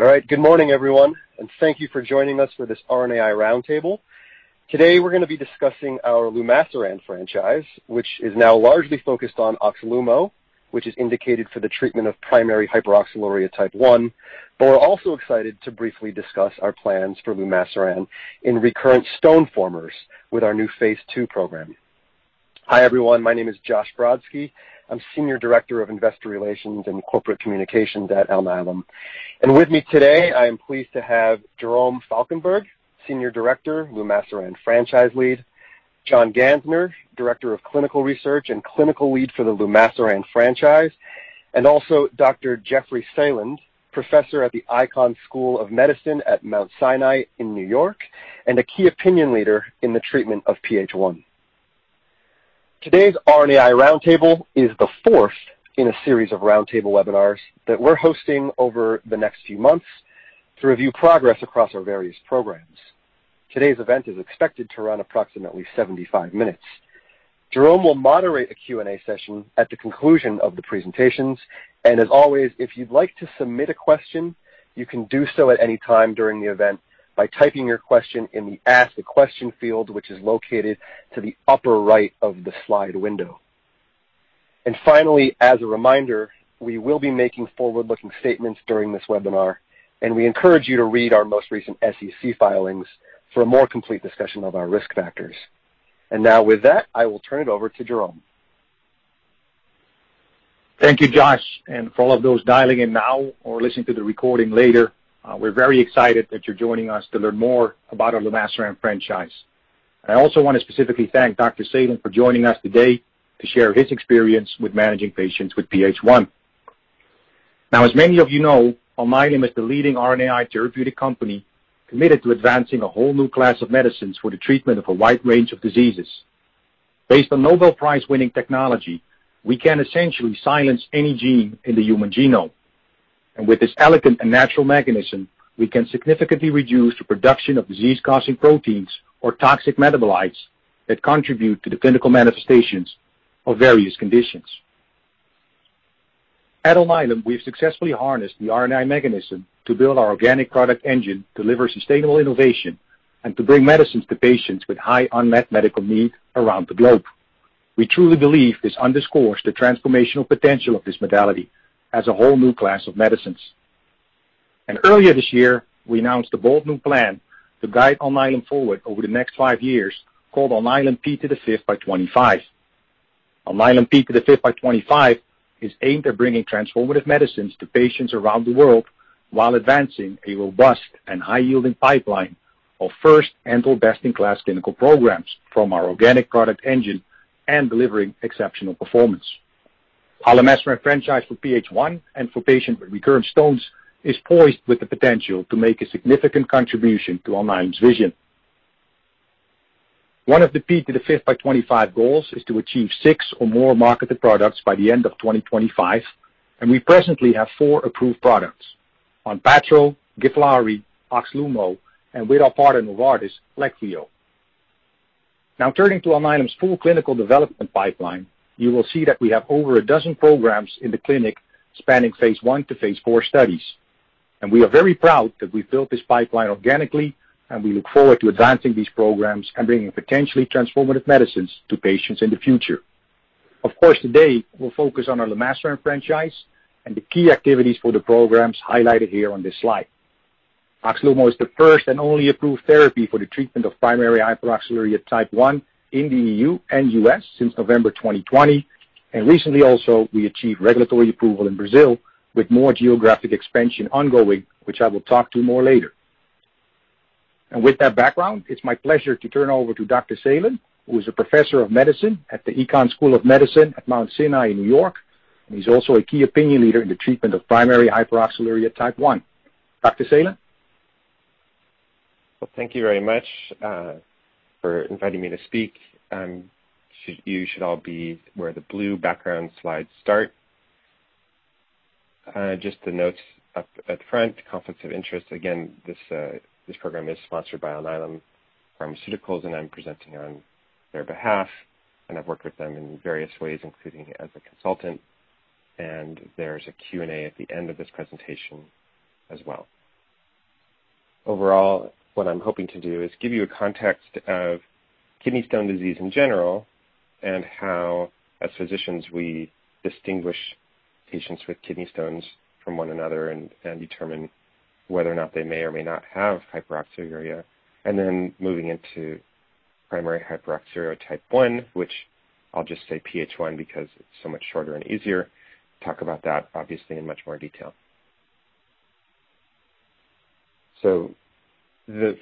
All right, good morning, everyone, and thank you for joining us for this RNAi roundtable. Today we're going to be discussing our lumasiran franchise, which is now largely focused on OXLUMO, which is indicated for the treatment of primary hyperoxaluria type 1. But we're also excited to briefly discuss our plans for lumasiran in recurrent stone formers with our new phase II program. Hi, everyone, my name is Josh Brodsky. I'm Senior Director of Investor Relations and Corporate Communications at Alnylam. And with me today, I am pleased to have Jeroen Valkenburg, Senior Director, Lumasiran Franchise Lead; John Gansner, Director of Clinical Research and Clinical Lead for the Lumasiran Franchise; and also Dr. Jeffrey Saland, Professor at the Icahn School of Medicine at Mount Sinai in New York, and a key opinion leader in the treatment of PH1. Today's RNAi roundtable is the fourth in a series of roundtable webinars that we're hosting over the next few months to review progress across our various programs. Today's event is expected to run approximately 75 minutes. Jeroen will moderate a Q&A session at the conclusion of the presentations, and as always, if you'd like to submit a question, you can do so at any time during the event by typing your question in the Ask a Question field, which is located to the upper right of the slide window. And finally, as a reminder, we will be making forward-looking statements during this webinar, and we encourage you to read our most recent SEC filings for a more complete discussion of our risk factors, and now, with that, I will turn it over to Jeroen. Thank you, Josh, and for all of those dialing in now or listening to the recording later, we're very excited that you're joining us to learn more about our lumasiran franchise. I also want to specifically thank Dr. Saland for joining us today to share his experience with managing patients with PH1. Now, as many of you know, Alnylam is the leading RNAi therapeutic company committed to advancing a whole new class of medicines for the treatment of a wide range of diseases. Based on Nobel Prize-winning technology, we can essentially silence any gene in the human genome, and with this elegant and natural mechanism, we can significantly reduce the production of disease-causing proteins or toxic metabolites that contribute to the clinical manifestations of various conditions. At Alnylam, we've successfully harnessed the RNAi mechanism to build our organic product engine to deliver sustainable innovation and to bring medicines to patients with high unmet medical needs around the globe. We truly believe this underscores the transformational potential of this modality as a whole new class of medicines. Earlier this year, we announced a bold new plan to guide Alnylam forward over the next five years called Alnylam P5x25. Alnylam P5x25 is aimed at bringing transformative medicines to patients around the world while advancing a robust and high-yielding pipeline of first and/or best-in-class clinical programs from our organic product engine and delivering exceptional performance. Our lumasiran franchise for PH1 and for patients with recurrent stones is poised with the potential to make a significant contribution to Alnylam's vision. One of the P5x25 goals is to achieve six or more marketed products by the end of 2025, and we presently have four approved products: ONPATTRO, GIVLAARI, OXLUMO, and with our partner Novartis, Leqvio. Now, turning to Alnylam's full clinical development pipeline, you will see that we have over a dozen programs in the clinic spanning phase I to phase IV studies, and we are very proud that we've built this pipeline organically, and we look forward to advancing these programs and bringing potentially transformative medicines to patients in the future. Of course, today we'll focus on our lumasiran franchise and the key activities for the programs highlighted here on this slide. OXLUMO is the first and only approved therapy for the treatment of primary hyperoxaluria type 1 in the EU and U.S. since November 2020. And recently, also, we achieved regulatory approval in Brazil with more geographic expansion ongoing, which I will talk to you more later. With that background, it's my pleasure to turn over to Dr. Saland, who is a professor of medicine at the Icahn School of Medicine at Mount Sinai in New York. He's also a key opinion leader in the treatment of primary hyperoxaluria type 1. Dr. Saland. Thank you very much for inviting me to speak. You should all be where the blue background slides start. Just the notes up at the front, conflicts of interest. Again, this program is sponsored by Alnylam Pharmaceuticals, and I'm presenting on their behalf. I've worked with them in various ways, including as a consultant. There's a Q&A at the end of this presentation as well. Overall, what I'm hoping to do is give you a context of kidney stone disease in general and how, as physicians, we distinguish patients with kidney stones from one another and determine whether or not they may or may not have hyperoxaluria. Moving into primary hyperoxaluria type 1, which I'll just say PH1 because it's so much shorter and easier to talk about that, obviously, in much more detail.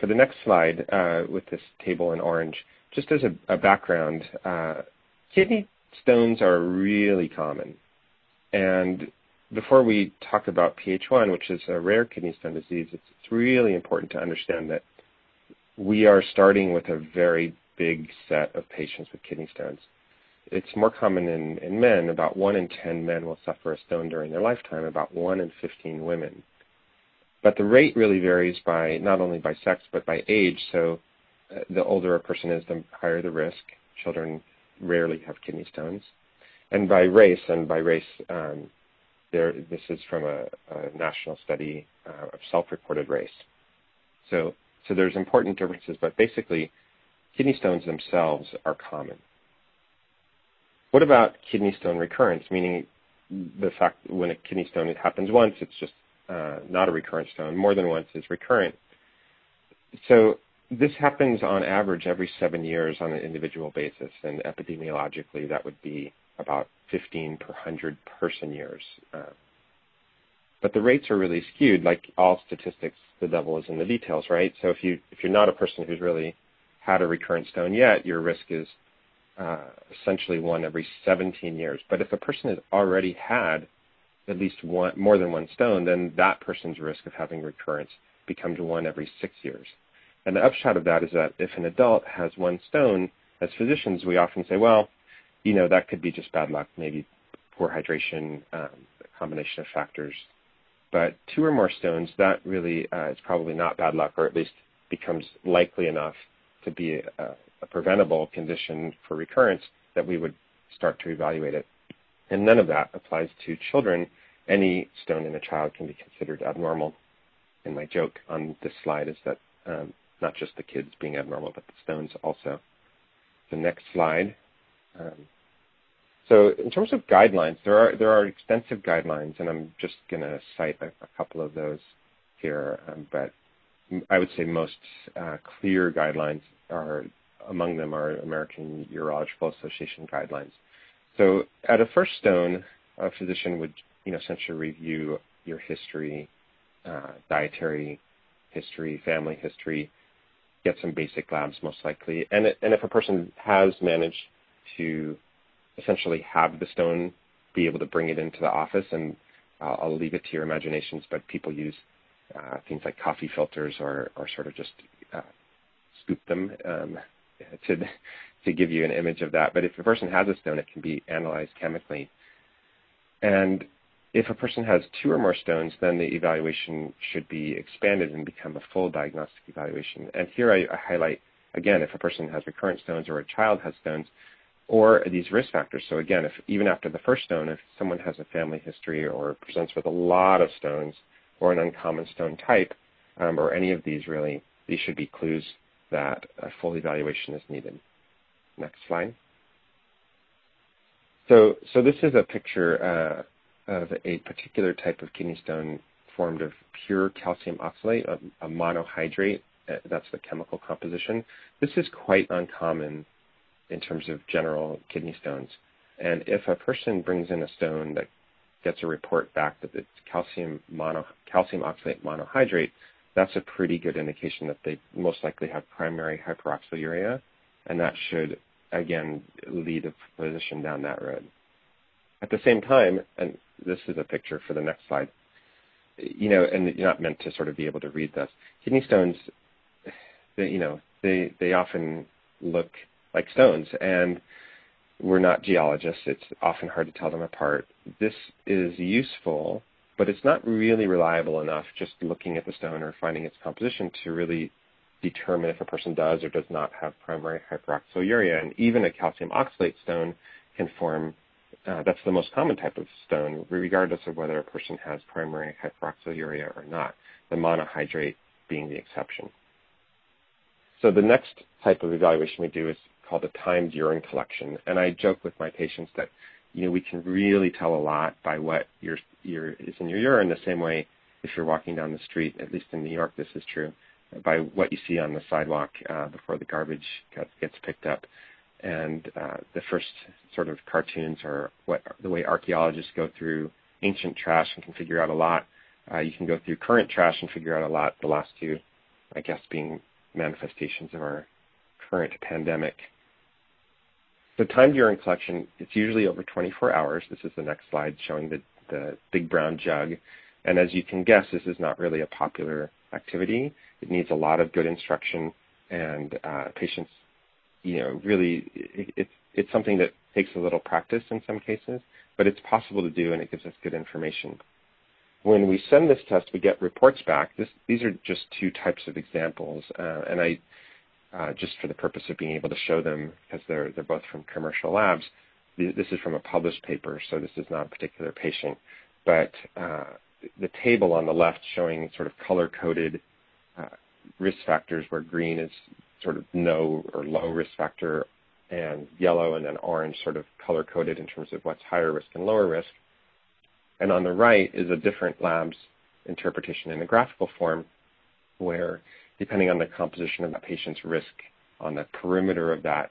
For the next slide with this table in orange, just as a background, kidney stones are really common. And before we talk about PH1, which is a rare kidney stone disease, it's really important to understand that we are starting with a very big set of patients with kidney stones. It's more common in men. About one in 10 men will suffer a stone during their lifetime, about one in 15 women. But the rate really varies not only by sex, but by age. So the older a person is, the higher the risk. Children rarely have kidney stones. And by race, this is from a national study of self-reported race. So there's important differences, but basically, kidney stones themselves are common. What about kidney stone recurrence, meaning the fact when a kidney stone happens once, it's just not a recurrent stone. More than once, it's recurrent. So this happens on average every seven years on an individual basis. And epidemiologically, that would be about 15 per 100 person years. But the rates are really skewed. Like all statistics, the devil is in the details, right? So if you're not a person who's really had a recurrent stone yet, your risk is essentially one every 17 years. But if a person has already had at least more than one stone, then that person's risk of having recurrence becomes one every six years. And the upshot of that is that if an adult has one stone, as physicians, we often say, well, you know that could be just bad luck, maybe poor hydration, a combination of factors. Two or more stones, that really is probably not bad luck, or at least becomes likely enough to be a preventable condition for recurrence that we would start to evaluate it. None of that applies to children. Any stone in a child can be considered abnormal. My joke on this slide is that not just the kids being abnormal, but the stones also. The next slide. In terms of guidelines, there are extensive guidelines, and I'm just going to cite a couple of those here. I would say most clear guidelines among them are American Urological Association guidelines. At a first stone, a physician would essentially review your history, dietary history, family history, get some basic labs, most likely. And if a person has managed to essentially have the stone, be able to bring it into the office, and I'll leave it to your imaginations, but people use things like coffee filters or sort of just scoop them to give you an image of that. But if a person has a stone, it can be analyzed chemically. And if a person has two or more stones, then the evaluation should be expanded and become a full diagnostic evaluation. And here I highlight, again, if a person has recurrent stones or a child has stones or these risk factors. So again, even after the first stone, if someone has a family history or presents with a lot of stones or an uncommon stone type or any of these, really, these should be clues that a full evaluation is needed. Next slide. This is a picture of a particular type of kidney stone formed of pure calcium oxalate monohydrate. That's the chemical composition. This is quite uncommon in terms of general kidney stones. If a person brings in a stone that gets a report back that it's calcium oxalate monohydrate, that's a pretty good indication that they most likely have primary hyperoxaluria. That should, again, lead a physician down that road. At the same time, this is a picture for the next slide, and you're not meant to sort of be able to read this. Kidney stones, they often look like stones. We're not geologists. It's often hard to tell them apart. This is useful, but it's not really reliable enough just looking at the stone or finding its composition to really determine if a person does or does not have primary hyperoxaluria. And even a calcium oxalate stone can form. That's the most common type of stone, regardless of whether a person has primary hyperoxaluria or not, the monohydrate being the exception. So the next type of evaluation we do is called a timed urine collection. And I joke with my patients that we can really tell a lot by what is in your urine, the same way if you're walking down the street, at least in New York, this is true, by what you see on the sidewalk before the garbage gets picked up. And the first sort of cartoons are the way archaeologists go through ancient trash and can figure out a lot. You can go through current trash and figure out a lot, the last two, I guess, being manifestations of our current pandemic. The timed urine collection, it's usually over 24 hours. This is the next slide showing the big brown jug, and as you can guess, this is not really a popular activity. It needs a lot of good instruction, and patients, really, it's something that takes a little practice in some cases, but it's possible to do, and it gives us good information. When we send this test, we get reports back. These are just two types of examples, and just for the purpose of being able to show them because they're both from commercial labs, this is from a published paper, so this is not a particular patient, but the table on the left showing sort of color-coded risk factors where green is sort of no or low risk factor, and yellow and then orange sort of color-coded in terms of what's higher risk and lower risk. And on the right is a different lab's interpretation in a graphical form where, depending on the composition of that patient's risk, on the perimeter of that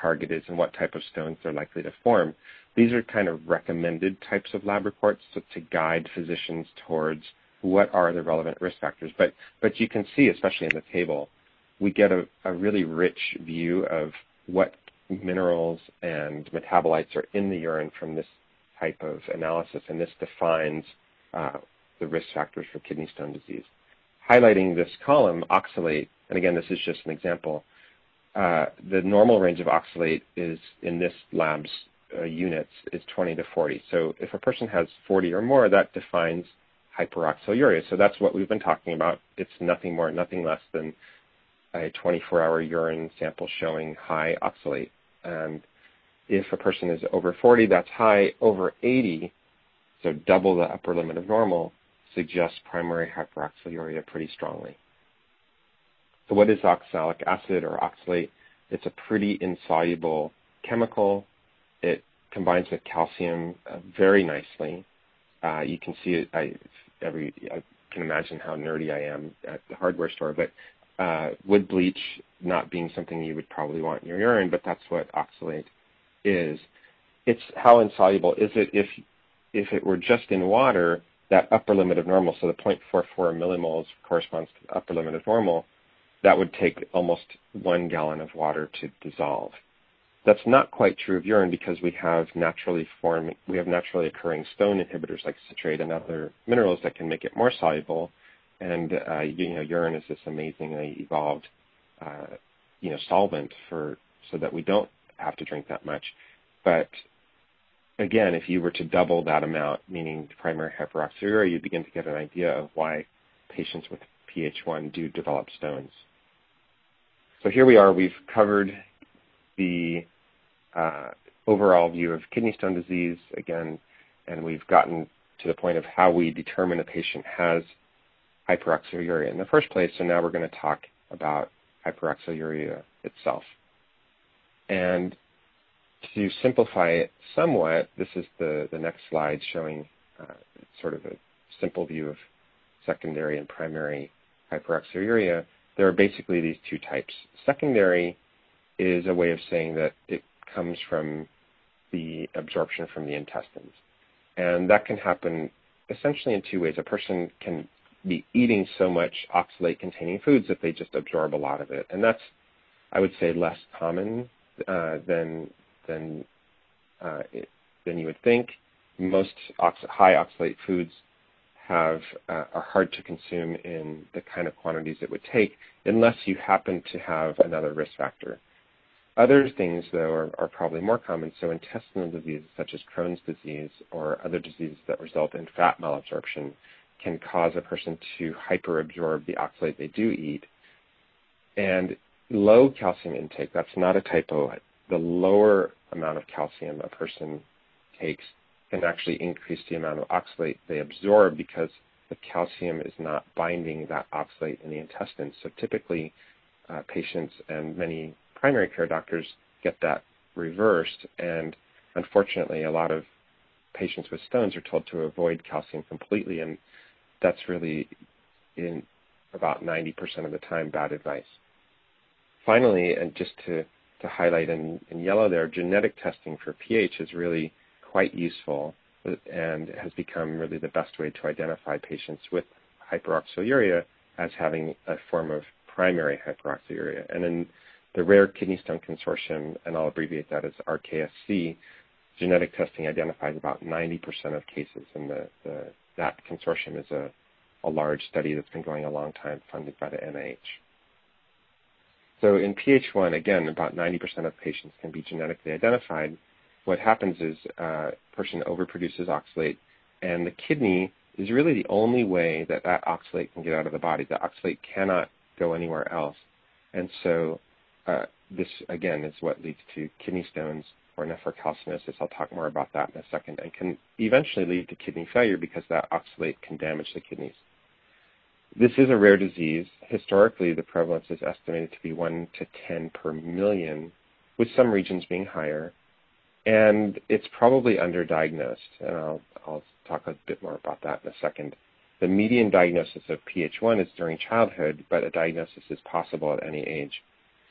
target is and what type of stones they're likely to form. These are kind of recommended types of lab reports to guide physicians towards what are the relevant risk factors. But you can see, especially in the table, we get a really rich view of what minerals and metabolites are in the urine from this type of analysis. And this defines the risk factors for kidney stone disease. Highlighting this column, oxalate, and again, this is just an example, the normal range of oxalate in this lab's units is 20 to 40. So if a person has 40 or more, that defines hyperoxaluria. So that's what we've been talking about. It's nothing more and nothing less than a 24-hour urine sample showing high oxalate, and if a person is over 40, that's high. Over 80, so double the upper limit of normal, suggests primary hyperoxaluria pretty strongly, so what is oxalic acid or oxalate? It's a pretty insoluble chemical. It combines with calcium very nicely. You can see it. I can imagine how nerdy I am at the hardware store, but wood bleach not being something you would probably want in your urine, but that's what oxalate is. It's how insoluble is it? If it were just in water, that upper limit of normal, so the 0.44 mmol corresponds to the upper limit of normal, that would take almost 1 gal of water to dissolve. That's not quite true of urine because we have naturally occurring stone inhibitors like citrate and other minerals that can make it more soluble. Urine is this amazingly evolved solvent so that we don't have to drink that much. Again, if you were to double that amount, meaning primary hyperoxaluria, you begin to get an idea of why patients with PH1 do develop stones. Here we are. We've covered the overall view of kidney stone disease, again, and we've gotten to the point of how we determine a patient has hyperoxaluria in the first place. Now we're going to talk about hyperoxaluria itself. To simplify it somewhat, this is the next slide showing sort of a simple view of secondary and primary hyperoxaluria. There are basically these two types. Secondary is a way of saying that it comes from the absorption from the intestines. That can happen essentially in two ways. A person can be eating so much oxalate-containing foods that they just absorb a lot of it. And that's, I would say, less common than you would think. Most high oxalate foods are hard to consume in the kind of quantities it would take unless you happen to have another risk factor. Other things, though, are probably more common. So intestinal diseases, such as Crohn's disease or other diseases that result in fat malabsorption, can cause a person to hyperabsorb the oxalate they do eat. And low calcium intake, that's not a typo. The lower amount of calcium a person takes can actually increase the amount of oxalate they absorb because the calcium is not binding that oxalate in the intestines. So typically, patients and many primary care doctors get that reversed. And unfortunately, a lot of patients with stones are told to avoid calcium completely. And that's really, in about 90% of the time, bad advice. Finally, and just to highlight in yellow there, genetic testing for PH is really quite useful and has become really the best way to identify patients with hyperoxaluria as having a form of primary hyperoxaluria. In the Rare Kidney Stone Consortium, and I'll abbreviate that as RKSC, genetic testing identifies about 90% of cases. That consortium is a large study that's been going a long time, funded by the NIH. In PH1, again, about 90% of patients can be genetically identified. What happens is a person overproduces oxalate. The kidney is really the only way that that oxalate can get out of the body. The oxalate cannot go anywhere else. This, again, is what leads to kidney stones or nephrocalcinosis. I'll talk more about that in a second, and can eventually lead to kidney failure because that oxalate can damage the kidneys. This is a rare disease. Historically, the prevalence is estimated to be one to 10 per million, with some regions being higher, and it's probably underdiagnosed. I'll talk a bit more about that in a second. The median diagnosis of PH1 is during childhood, but a diagnosis is possible at any age.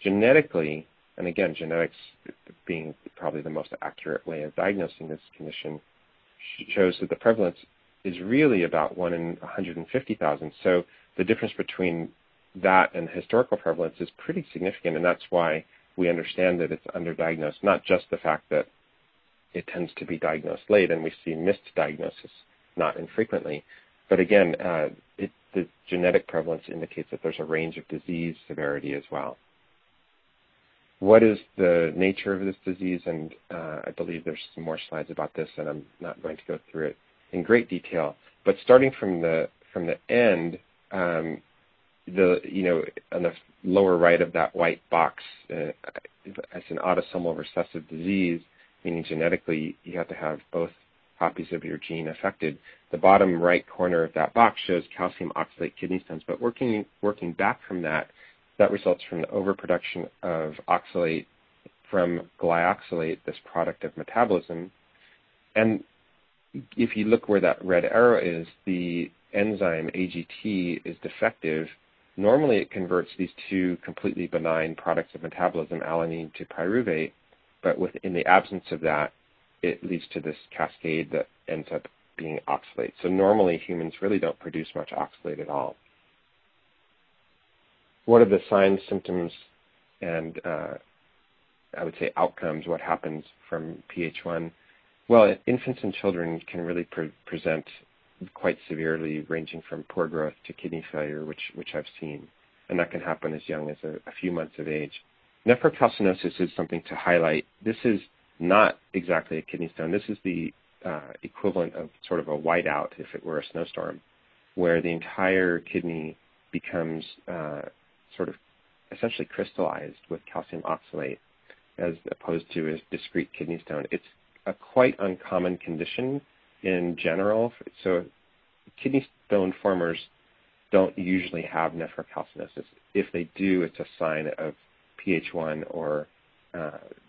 Genetically, and again, genetics being probably the most accurate way of diagnosing this condition, shows that the prevalence is really about one in 150,000, so the difference between that and historical prevalence is pretty significant, and that's why we understand that it's underdiagnosed, not just the fact that it tends to be diagnosed late, and we see misdiagnosis not infrequently, but again, the genetic prevalence indicates that there's a range of disease severity as well. What is the nature of this disease? And I believe there's some more slides about this, and I'm not going to go through it in great detail. But starting from the end, on the lower right of that white box, it's an autosomal recessive disease, meaning genetically you have to have both copies of your gene affected. The bottom right corner of that box shows calcium oxalate kidney stones. But working back from that, that results from the overproduction of oxalate from glyoxylate, this product of metabolism. And if you look where that red arrow is, the enzyme AGT is defective. Normally, it converts these two completely benign products of metabolism, alanine to pyruvate. But within the absence of that, it leads to this cascade that ends up being oxalate. So normally, humans really don't produce much oxalate at all. What are the signs, symptoms, and I would say outcomes, what happens from PH1? Infants and children can really present quite severely, ranging from poor growth to kidney failure, which I've seen. That can happen as young as a few months of age. Nephrocalcinosis is something to highlight. This is not exactly a kidney stone. This is the equivalent of sort of a whiteout, if it were a snowstorm, where the entire kidney becomes sort of essentially crystallized with calcium oxalate as opposed to a discrete kidney stone. It's a quite uncommon condition in general. Kidney stone formers don't usually have nephrocalcinosis. If they do, it's a sign of PH1, or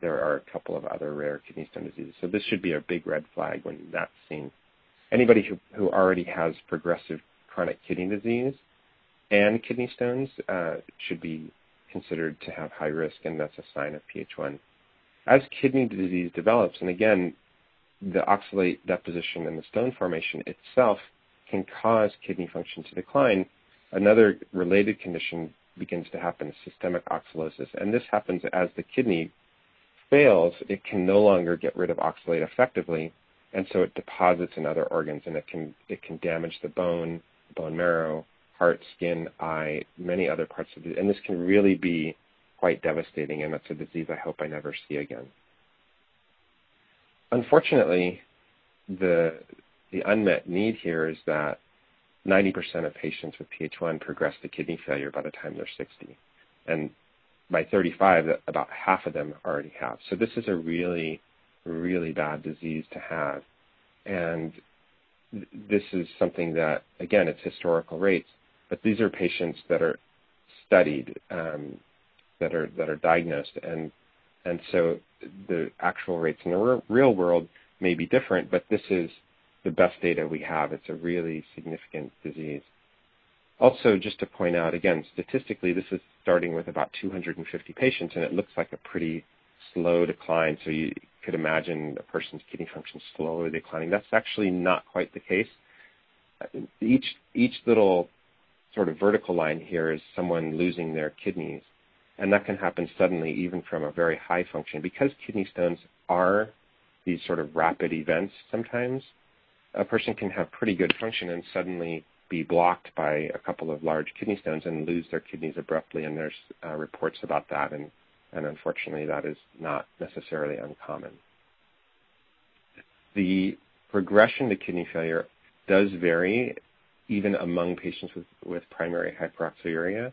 there are a couple of other rare kidney stone diseases. This should be a big red flag when that's seen. Anybody who already has progressive chronic kidney disease and kidney stones should be considered to have high risk, and that's a sign of PH1. As kidney disease develops, and again, the oxalate deposition and the stone formation itself can cause kidney function to decline. Another related condition begins to happen: systemic oxalosis. And this happens as the kidney fails. It can no longer get rid of oxalate effectively. And so it deposits in other organs, and it can damage the bone, bone marrow, heart, skin, eye, many other parts of the body. And this can really be quite devastating. And that's a disease I hope I never see again. Unfortunately, the unmet need here is that 90% of patients with PH1 progress to kidney failure by the time they're 60. And by 35, about half of them already have. So this is a really, really bad disease to have. And this is something that, again, it's historical rates. But these are patients that are studied, that are diagnosed. And so the actual rates in the real world may be different, but this is the best data we have. It's a really significant disease. Also, just to point out, again, statistically, this is starting with about 250 patients, and it looks like a pretty slow decline. So you could imagine a person's kidney function slowly declining. That's actually not quite the case. Each little sort of vertical line here is someone losing their kidneys. And that can happen suddenly, even from a very high function. Because kidney stones are these sort of rapid events, sometimes a person can have pretty good function and suddenly be blocked by a couple of large kidney stones and lose their kidneys abruptly. And there's reports about that. And unfortunately, that is not necessarily uncommon. The progression to kidney failure does vary even among patients with primary hyperoxaluria.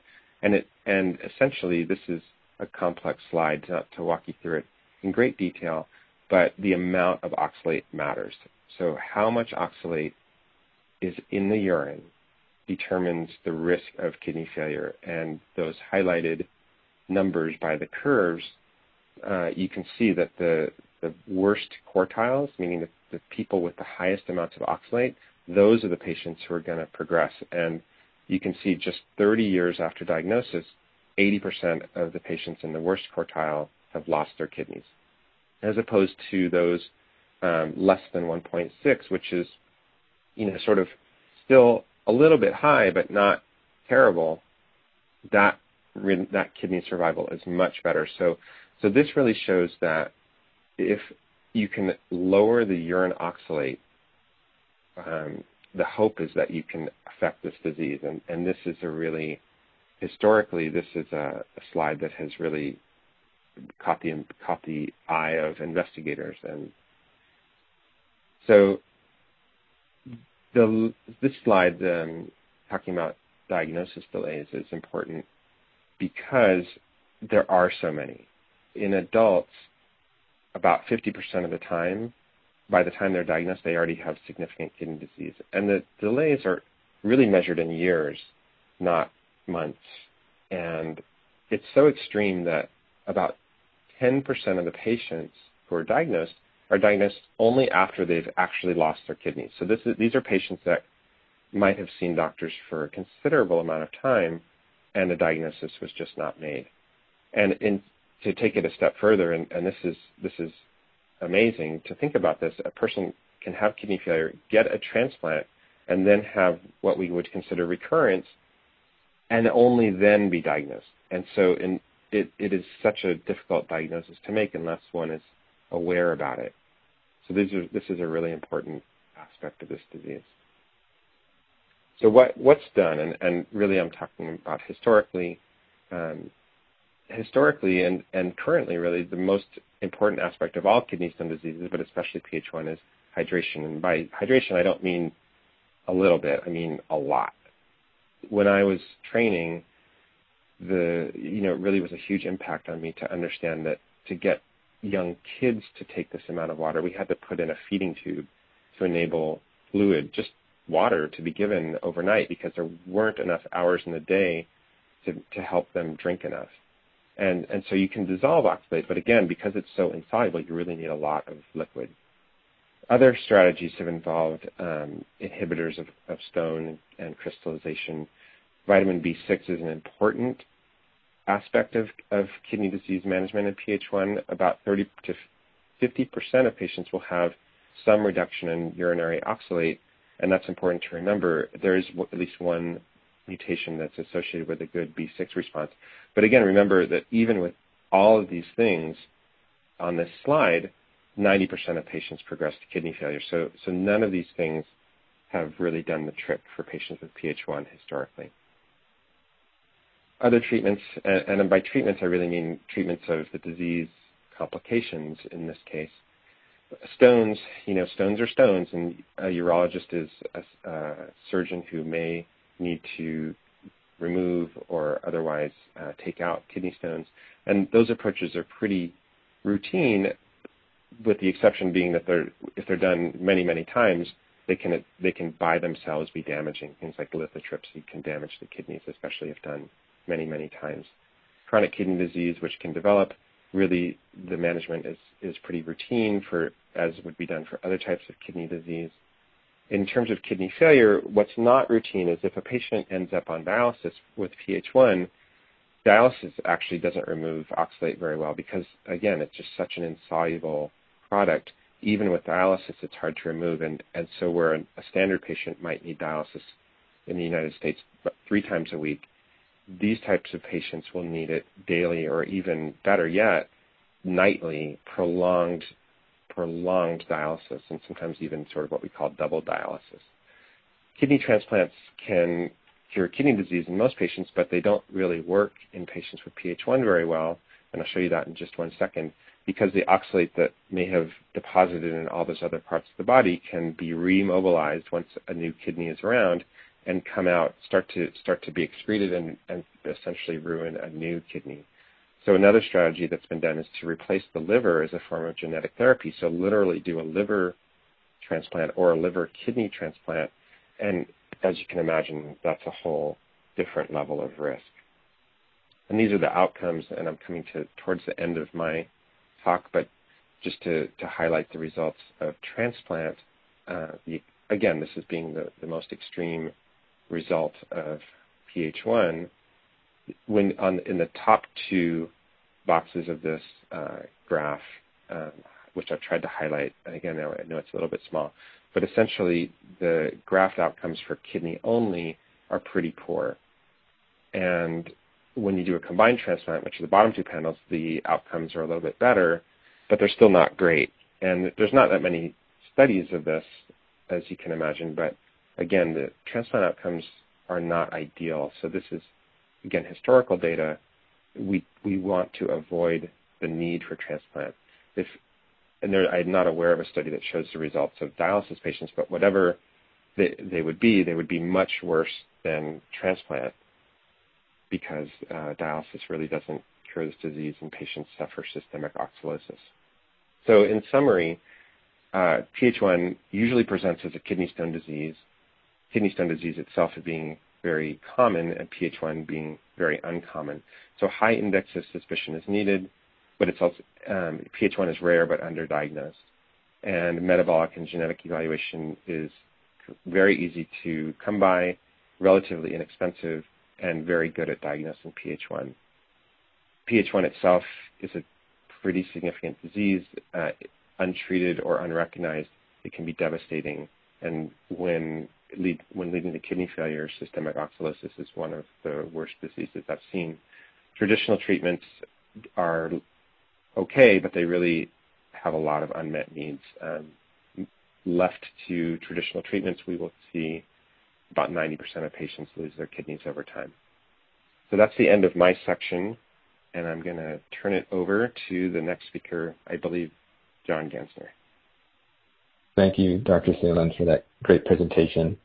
Essentially, this is a complex slide to walk you through it in great detail, but the amount of oxalate matters. How much oxalate is in the urine determines the risk of kidney failure. Those highlighted numbers by the curves, you can see that the worst quartiles, meaning the people with the highest amounts of oxalate, those are the patients who are going to progress. You can see just 30 years after diagnosis, 80% of the patients in the worst quartile have lost their kidneys. As opposed to those less than 1.6, which is sort of still a little bit high, but not terrible, that kidney survival is much better. This really shows that if you can lower the urine oxalate, the hope is that you can affect this disease. This is a really historically. This is a slide that has really caught the eye of investigators. This slide talking about diagnosis delays is important because there are so many. In adults, about 50% of the time, by the time they're diagnosed, they already have significant kidney disease. The delays are really measured in years, not months. It's so extreme that about 10% of the patients who are diagnosed are diagnosed only after they've actually lost their kidneys. These are patients that might have seen doctors for a considerable amount of time, and the diagnosis was just not made. To take it a step further, this is amazing to think about this. A person can have kidney failure, get a transplant, and then have what we would consider recurrence, and only then be diagnosed. And so it is such a difficult diagnosis to make unless one is aware about it. So this is a really important aspect of this disease. So what's done, and really I'm talking about historically, and currently really, the most important aspect of all kidney stone diseases, but especially PH1, is hydration. And by hydration, I don't mean a little bit. I mean a lot. When I was training, it really was a huge impact on me to understand that to get young kids to take this amount of water, we had to put in a feeding tube to enable fluid, just water to be given overnight because there weren't enough hours in the day to help them drink enough. And so you can dissolve oxalate, but again, because it's so insoluble, you really need a lot of liquid. Other strategies have involved inhibitors of stone and crystallization. Vitamin B6 is an important aspect of kidney disease management in PH1. About 30%-50% of patients will have some reduction in urinary oxalate. And that's important to remember. There is at least one mutation that's associated with a good B6 response. But again, remember that even with all of these things on this slide, 90% of patients progress to kidney failure. So none of these things have really done the trick for patients with PH1 historically. Other treatments, and by treatments, I really mean treatments of the disease complications in this case. Stones, stones are stones. And a urologist is a surgeon who may need to remove or otherwise take out kidney stones. And those approaches are pretty routine, with the exception being that if they're done many, many times, they can by themselves be damaging. Things like lithotripsy can damage the kidneys, especially if done many, many times. Chronic kidney disease, which can develop, really the management is pretty routine, as would be done for other types of kidney disease. In terms of kidney failure, what's not routine is if a patient ends up on dialysis with PH1, dialysis actually doesn't remove oxalate very well because, again, it's just such an insoluble product. Even with dialysis, it's hard to remove. And so where a standard patient might need dialysis in the United States 3x a week, these types of patients will need it daily, or even better yet, nightly, prolonged dialysis, and sometimes even sort of what we call double dialysis. Kidney transplants can cure kidney disease in most patients, but they don't really work in patients with PH1 very well. And I'll show you that in just one second. Because the oxalate that may have deposited in all those other parts of the body can be remobilized once a new kidney is around and come out, start to be excreted, and essentially ruin a new kidney. So another strategy that's been done is to replace the liver as a form of genetic therapy. So literally do a liver transplant or a liver kidney transplant. And as you can imagine, that's a whole different level of risk. And these are the outcomes, and I'm coming towards the end of my talk, but just to highlight the results of transplant. Again, this is being the most extreme result of PH1. In the top two boxes of this graph, which I've tried to highlight, again, I know it's a little bit small, but essentially the graph outcomes for kidney only are pretty poor. And when you do a combined transplant, which are the bottom two panels, the outcomes are a little bit better, but they're still not great. And there's not that many studies of this, as you can imagine. But again, the transplant outcomes are not ideal. So this is, again, historical data. We want to avoid the need for transplant. And I'm not aware of a study that shows the results of dialysis patients, but whatever they would be, they would be much worse than transplant because dialysis really doesn't cure this disease, and patients suffer systemic oxalosis. So in summary, PH1 usually presents as a kidney stone disease, kidney stone disease itself being very common, and PH1 being very uncommon. So high index of suspicion is needed, but PH1 is rare but underdiagnosed. Metabolic and genetic evaluation is very easy to come by, relatively inexpensive, and very good at diagnosing PH1. PH1 itself is a pretty significant disease. Untreated or unrecognized, it can be devastating. When leading to kidney failure, systemic oxalosis is one of the worst diseases I've seen. Traditional treatments are okay, but they really have a lot of unmet needs. Left to traditional treatments, we will see about 90% of patients lose their kidneys over time. That's the end of my section, and I'm going to turn it over to the next speaker, I believe, John Gansner. Thank you, Dr. Saland, for that great presentation.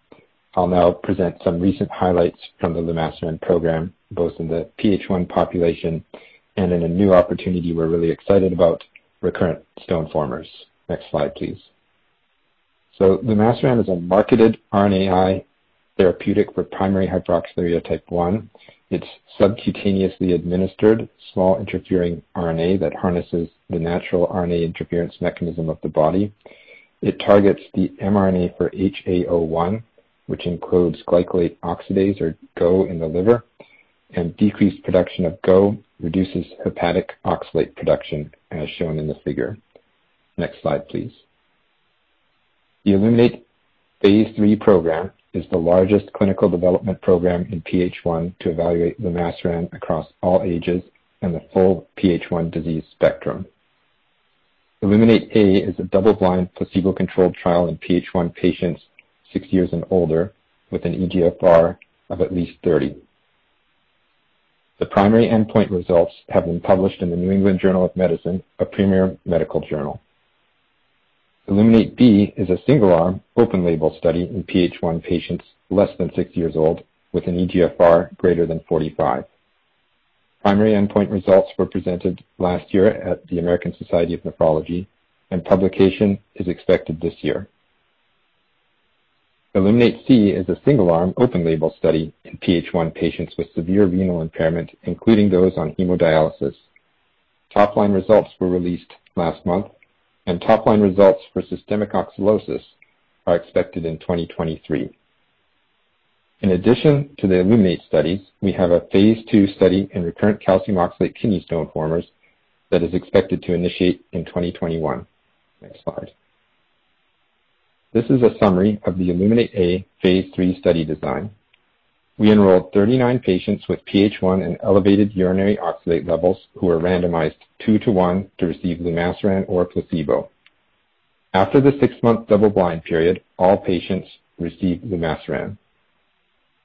I'll now present some recent highlights from the Lumasiran Program, both in the PH1 population and in a new opportunity we're really excited about, recurrent stone formers. Next slide, please. Lumasiran is a marketed RNAi therapeutic for primary hyperoxaluria type 1. It's subcutaneously administered small interfering RNA that harnesses the natural RNA interference mechanism of the body. It targets the mRNA for HAO1, which encodes glycolate oxidase or GO in the liver, and decreased production of GO reduces hepatic oxalate production, as shown in the figure. Next slide, please. The ILLUMINATE phase III program is the largest clinical development program in PH1 to evaluate lumasiran across all ages and the full PH1 disease spectrum. ILLUMINATE is a double-blind placebo-controlled trial in PH1 patients 60 years and older with an eGFR of at least 30. The primary endpoint results have been published in the New England Journal of Medicine, a premier medical journal. ILLUMINATE-B is a single-arm, open-label study in PH1 patients less than 60 years old with an eGFR greater than 45. Primary endpoint results were presented last year at the American Society of Nephrology, and publication is expected this year. ILLUMINATE-C is a single-arm, open-label study in PH1 patients with severe renal impairment, including those on hemodialysis. Topline results were released last month, and topline results for systemic oxalosis are expected in 2023. In addition to the ILLUMINATE studies, we have a phase II study in recurrent calcium oxalate kidney stone formers that is expected to initiate in 2021. Next slide. This is a summary of the ILLUMINATE-A phase III study design. We enrolled 39 patients with PH1 and elevated urinary oxalate levels who were randomized two to one to receive lumasiran or placebo. After the six-month double-blind period, all patients received lumasiran.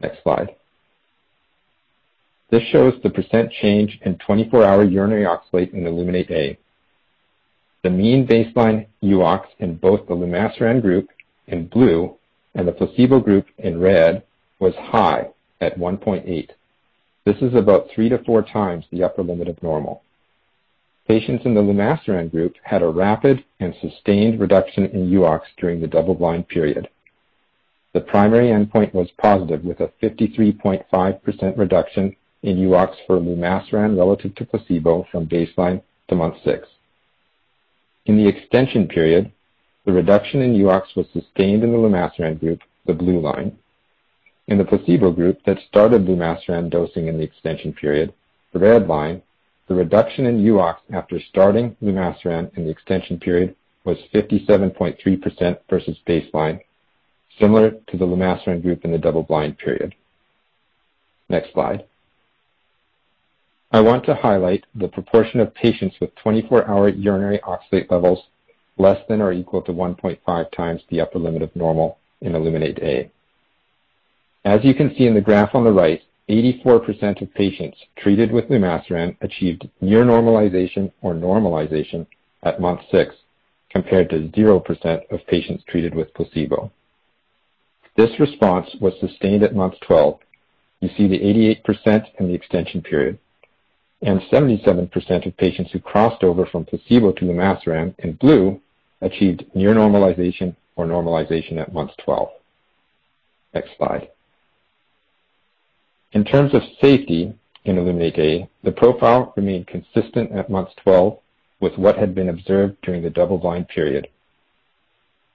Next slide. This shows the percent change in 24-hour urinary oxalate in ILLUMINATE-A. The mean baseline UOx in both the lumasiran group in blue and the placebo group in red was high at 1.8. This is about three to four times the upper limit of normal. Patients in the lumasiran group had a rapid and sustained reduction in UOx during the double-blind period. The primary endpoint was positive with a 53.5% reduction in UOx for lumasiran relative to placebo from baseline to month six. In the extension period, the reduction in UOx was sustained in the lumasiran group, the blue line. In the placebo group that started lumasiran dosing in the extension period, the red line, the reduction in UOx after starting lumasiran in the extension period was 57.3% versus baseline, similar to the lumasiran group in the double-blind period. Next slide. I want to highlight the proportion of patients with 24-hour urinary oxalate levels less than or equal to 1.5x the upper limit of normal in ILLUMINATE-A. As you can see in the graph on the right, 84% of patients treated with lumasiran achieved near normalization or normalization at month six compared to 0% of patients treated with placebo. This response was sustained at month 12. You see the 88% in the extension period, and 77% of patients who crossed over from placebo to lumasiran in blue achieved near normalization or normalization at month 12. Next slide. In terms of safety in ILLUMINATE-A, the profile remained consistent at month 12 with what had been observed during the double-blind period.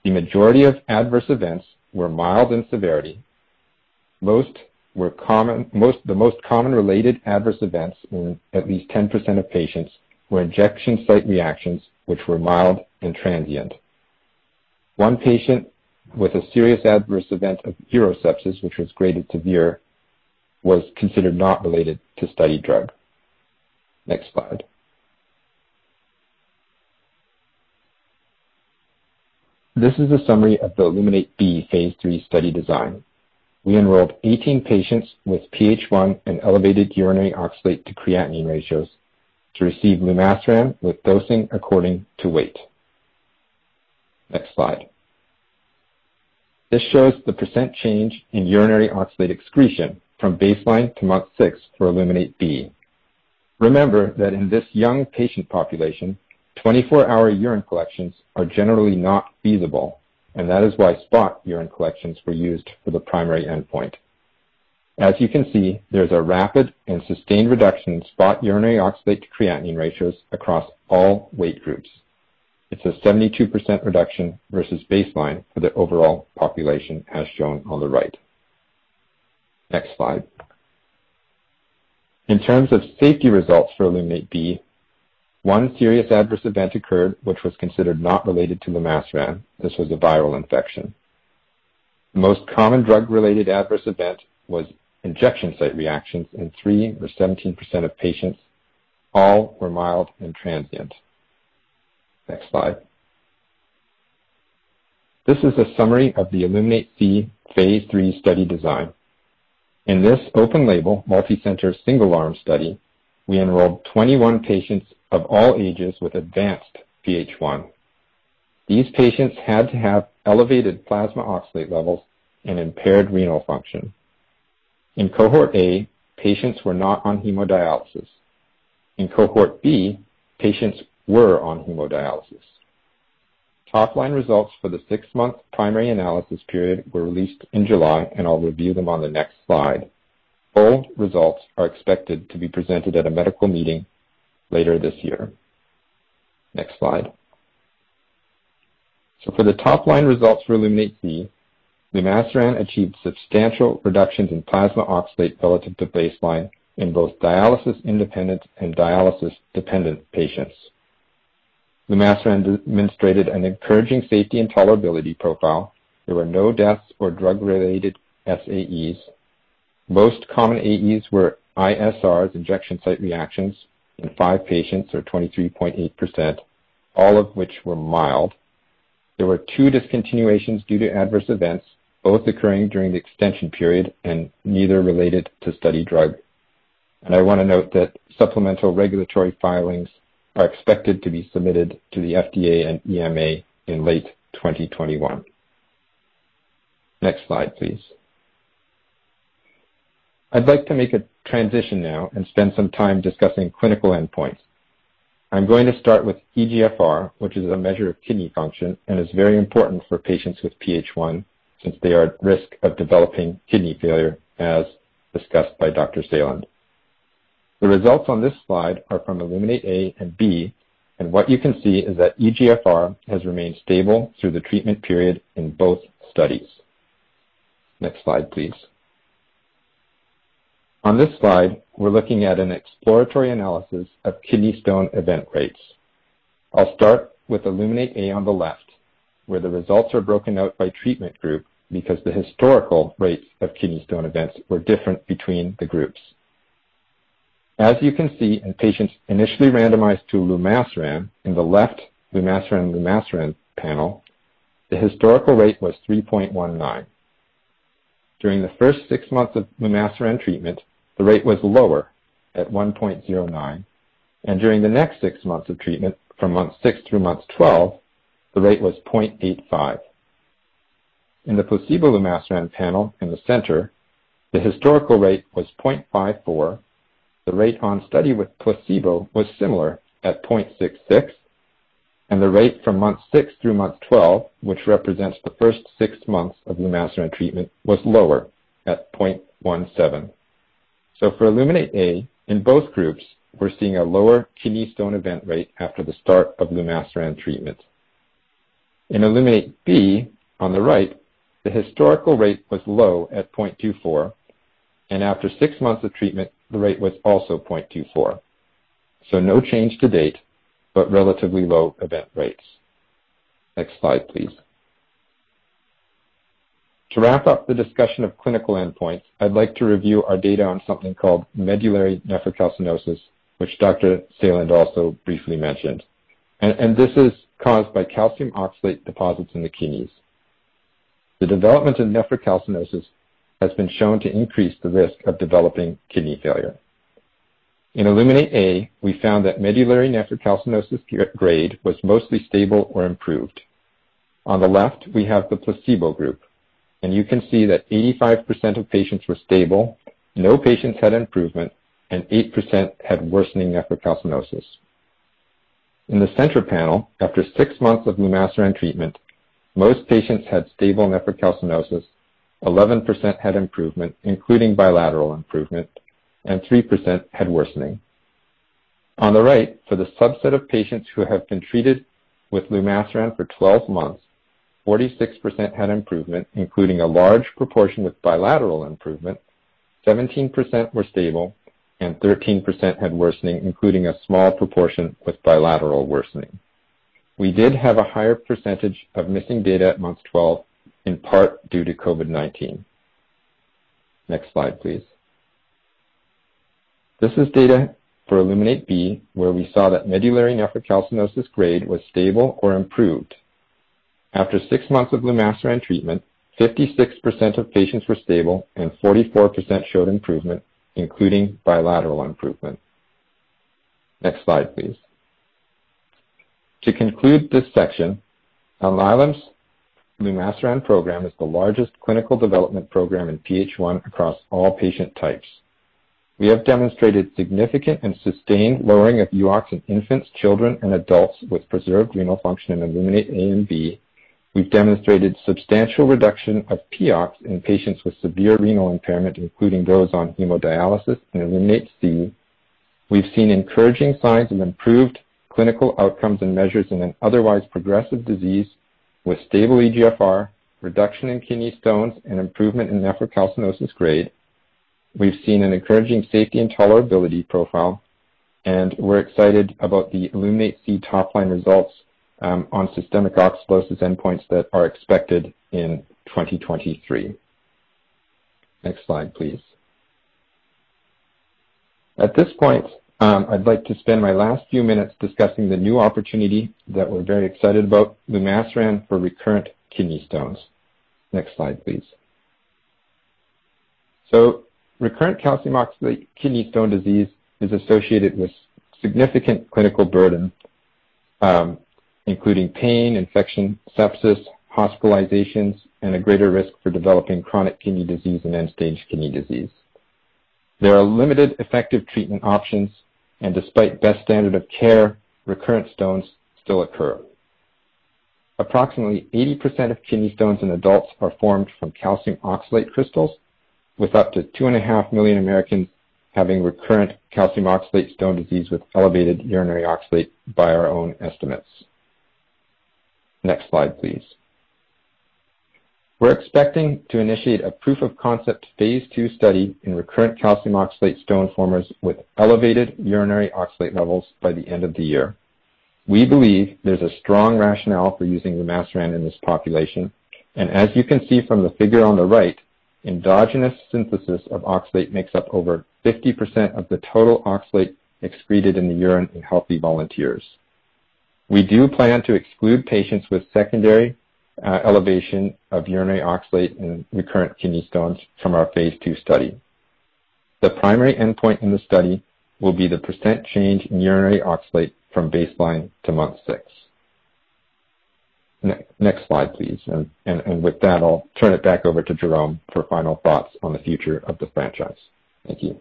The majority of adverse events were mild in severity. The most common related adverse events in at least 10% of patients were injection site reactions, which were mild and transient. One patient with a serious adverse event of urosepsis, which was graded severe, was considered not related to study drug. Next slide. This is a summary of the ILLUMINATE-B phase III study design. We enrolled 18 patients with PH1 and elevated urinary oxalate to creatinine ratios to receive lumasiran with dosing according to weight. Next slide. This shows the percent change in urinary oxalate excretion from baseline to month six for ILLUMINATE-B. Remember that in this young patient population, 24-hour urine collections are generally not feasible, and that is why spot urine collections were used for the primary endpoint. As you can see, there's a rapid and sustained reduction in spot urinary oxalate to creatinine ratios across all weight groups. It's a 72% reduction versus baseline for the overall population, as shown on the right. Next slide. In terms of safety results for ILLUMINATE-B, one serious adverse event occurred, which was considered not related to lumasiran. This was a viral infection. The most common drug-related adverse event was injection site reactions in 3 or 17% of patients. All were mild and transient. Next slide. This is a summary of the ILLUMINATE-C phase III study design. In this open-label, multicenter single-arm study, we enrolled 21 patients of all ages with advanced PH1. These patients had to have elevated plasma oxalate levels and impaired renal function. In cohort A, patients were not on hemodialysis. In cohort B, patients were on hemodialysis. Topline results for the six-month primary analysis period were released in July, and I'll review them on the next slide. Both results are expected to be presented at a medical meeting later this year. Next slide. So for the topline results for ILLUMINATE-C, lumasiran achieved substantial reductions in plasma oxalate relative to baseline in both dialysis-independent and dialysis-dependent patients. Lumasiran demonstrated an encouraging safety and tolerability profile. There were no deaths or drug-related SAEs. Most common AEs were ISRs, injection site reactions, in five patients, or 23.8%, all of which were mild. There were two discontinuations due to adverse events, both occurring during the extension period and neither related to study drug. And I want to note that supplemental regulatory filings are expected to be submitted to the FDA and EMA in late 2021. Next slide, please. I'd like to make a transition now and spend some time discussing clinical endpoints. I'm going to start with eGFR, which is a measure of kidney function and is very important for patients with PH1 since they are at risk of developing kidney failure, as discussed by Dr. Saland. The results on this slide are from ILLUMINATE-A and B, and what you can see is that eGFR has remained stable through the treatment period in both studies. Next slide, please. On this slide, we're looking at an exploratory analysis of kidney stone event rates. I'll start with ILLUMINATE-A on the left, where the results are broken out by treatment group because the historical rates of kidney stone events were different between the groups. As you can see in patients initially randomized to lumasiran, in the left Lumasiran/Lumasiran panel, the historical rate was 3.19. During the first six months of lumasiran treatment, the rate was lower at 1.09, and during the next six months of treatment, from month six through month 12, the rate was 0.85. In the Placebo/Lumasiran panel in the center, the historical rate was 0.54. The rate on study with placebo was similar at 0.66, and the rate from month six through month 12, which represents the first six months of lumasiran treatment, was lower at 0.17. So for ILLUMINATE-A, in both groups, we're seeing a lower kidney stone event rate after the start of lumasiran treatment. In ILLUMINATE-B on the right, the historical rate was low at 0.24, and after six months of treatment, the rate was also 0.24. So no change to date, but relatively low event rates. Next slide, please. To wrap up the discussion of clinical endpoints, I'd like to review our data on something called medullary nephrocalcinosis, which Dr. Saland also briefly mentioned. And this is caused by calcium oxalate deposits in the kidneys. The development of nephrocalcinosis has been shown to increase the risk of developing kidney failure. In ILLUMINATE-A, we found that medullary nephrocalcinosis grade was mostly stable or improved. On the left, we have the placebo group, and you can see that 85% of patients were stable, no patients had improvement, and 8% had worsening nephrocalcinosis. In the center panel, after six months of lumasiran treatment, most patients had stable nephrocalcinosis, 11% had improvement, including bilateral improvement, and 3% had worsening. On the right, for the subset of patients who have been treated with lumasiran for 12 months, 46% had improvement, including a large proportion with bilateral improvement, 17% were stable, and 13% had worsening, including a small proportion with bilateral worsening. We did have a higher percentage of missing data at month 12, in part due to COVID-19. Next slide, please. This is data for ILLUMINATE-B, where we saw that medullary nephrocalcinosis grade was stable or improved. After six months of lumasiran treatment, 56% of patients were stable, and 44% showed improvement, including bilateral improvement. Next slide, please. To conclude this section, Alnylam's lumasiran program is the largest clinical development program in PH1 across all patient types. We have demonstrated significant and sustained lowering of UOx in infants, children, and adults with preserved renal function in ILLUMINATE-A and B. We've demonstrated substantial reduction of POx in patients with severe renal impairment, including those on hemodialysis in ILLUMINATE-C. We've seen encouraging signs of improved clinical outcomes and measures in an otherwise progressive disease with stable eGFR, reduction in kidney stones, and improvement in nephrocalcinosis grade. We've seen an encouraging safety and tolerability profile, and we're excited about the ILLUMINATE-C topline results on systemic oxalosis endpoints that are expected in 2023. Next slide, please. At this point, I'd like to spend my last few minutes discussing the new opportunity that we're very excited about, lumasiran for recurrent kidney stones. Next slide, please. Recurrent calcium oxalate kidney stone disease is associated with significant clinical burden, including pain, infection, sepsis, hospitalizations, and a greater risk for developing chronic kidney disease and end-stage kidney disease. There are limited effective treatment options, and despite best standard of care, recurrent stones still occur. Approximately 80% of kidney stones in adults are formed from calcium oxalate crystals, with up to 2.5 million Americans having recurrent calcium oxalate stone disease with elevated urinary oxalate by our own estimates. Next slide, please. We're expecting to initiate a proof of concept phase II study in recurrent calcium oxalate stone formers with elevated urinary oxalate levels by the end of the year. We believe there's a strong rationale for using lumasiran in this population, and as you can see from the figure on the right, endogenous synthesis of oxalate makes up over 50% of the total oxalate excreted in the urine in healthy volunteers. We do plan to exclude patients with secondary elevation of urinary oxalate and recurrent kidney stones from our phase II study. The primary endpoint in the study will be the percent change in urinary oxalate from baseline to month six. Next slide, please. With that, I'll turn it back over to Jeroen for final thoughts on the future of the franchise. Thank you.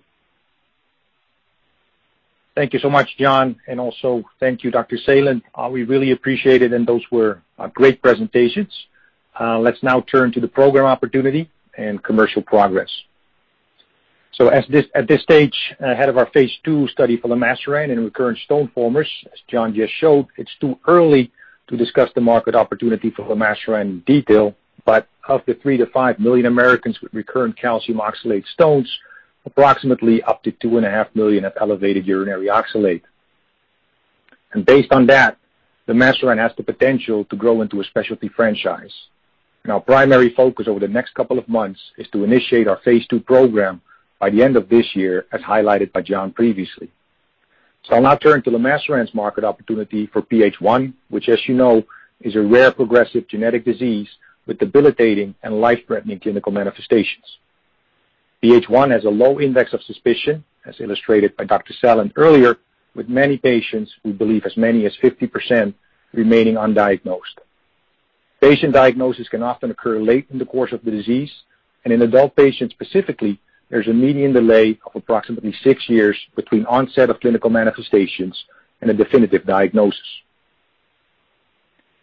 Thank you so much, John, and also thank you, Dr. Saland. We really appreciate it, and those were great presentations. Let's now turn to the program opportunity and commercial progress. At this stage, ahead of our phase II study for lumasiran and recurrent stone formers, as John just showed, it's too early to discuss the market opportunity for lumasiran in detail, but of the 3 million-5 million Americans with recurrent calcium oxalate stones, approximately up to 2.5 million have elevated urinary oxalate. Based on that, lumasiran has the potential to grow into a specialty franchise. Our primary focus over the next couple of months is to initiate our phase II program by the end of this year, as highlighted by John previously. So I'll now turn to lumasiran's market opportunity for PH1, which, as you know, is a rare progressive genetic disease with debilitating and life-threatening clinical manifestations. PH1 has a low index of suspicion, as illustrated by Dr. Saland earlier, with many patients, we believe as many as 50%, remaining undiagnosed. Patient diagnosis can often occur late in the course of the disease, and in adult patients specifically, there's a median delay of approximately six years between onset of clinical manifestations and a definitive diagnosis.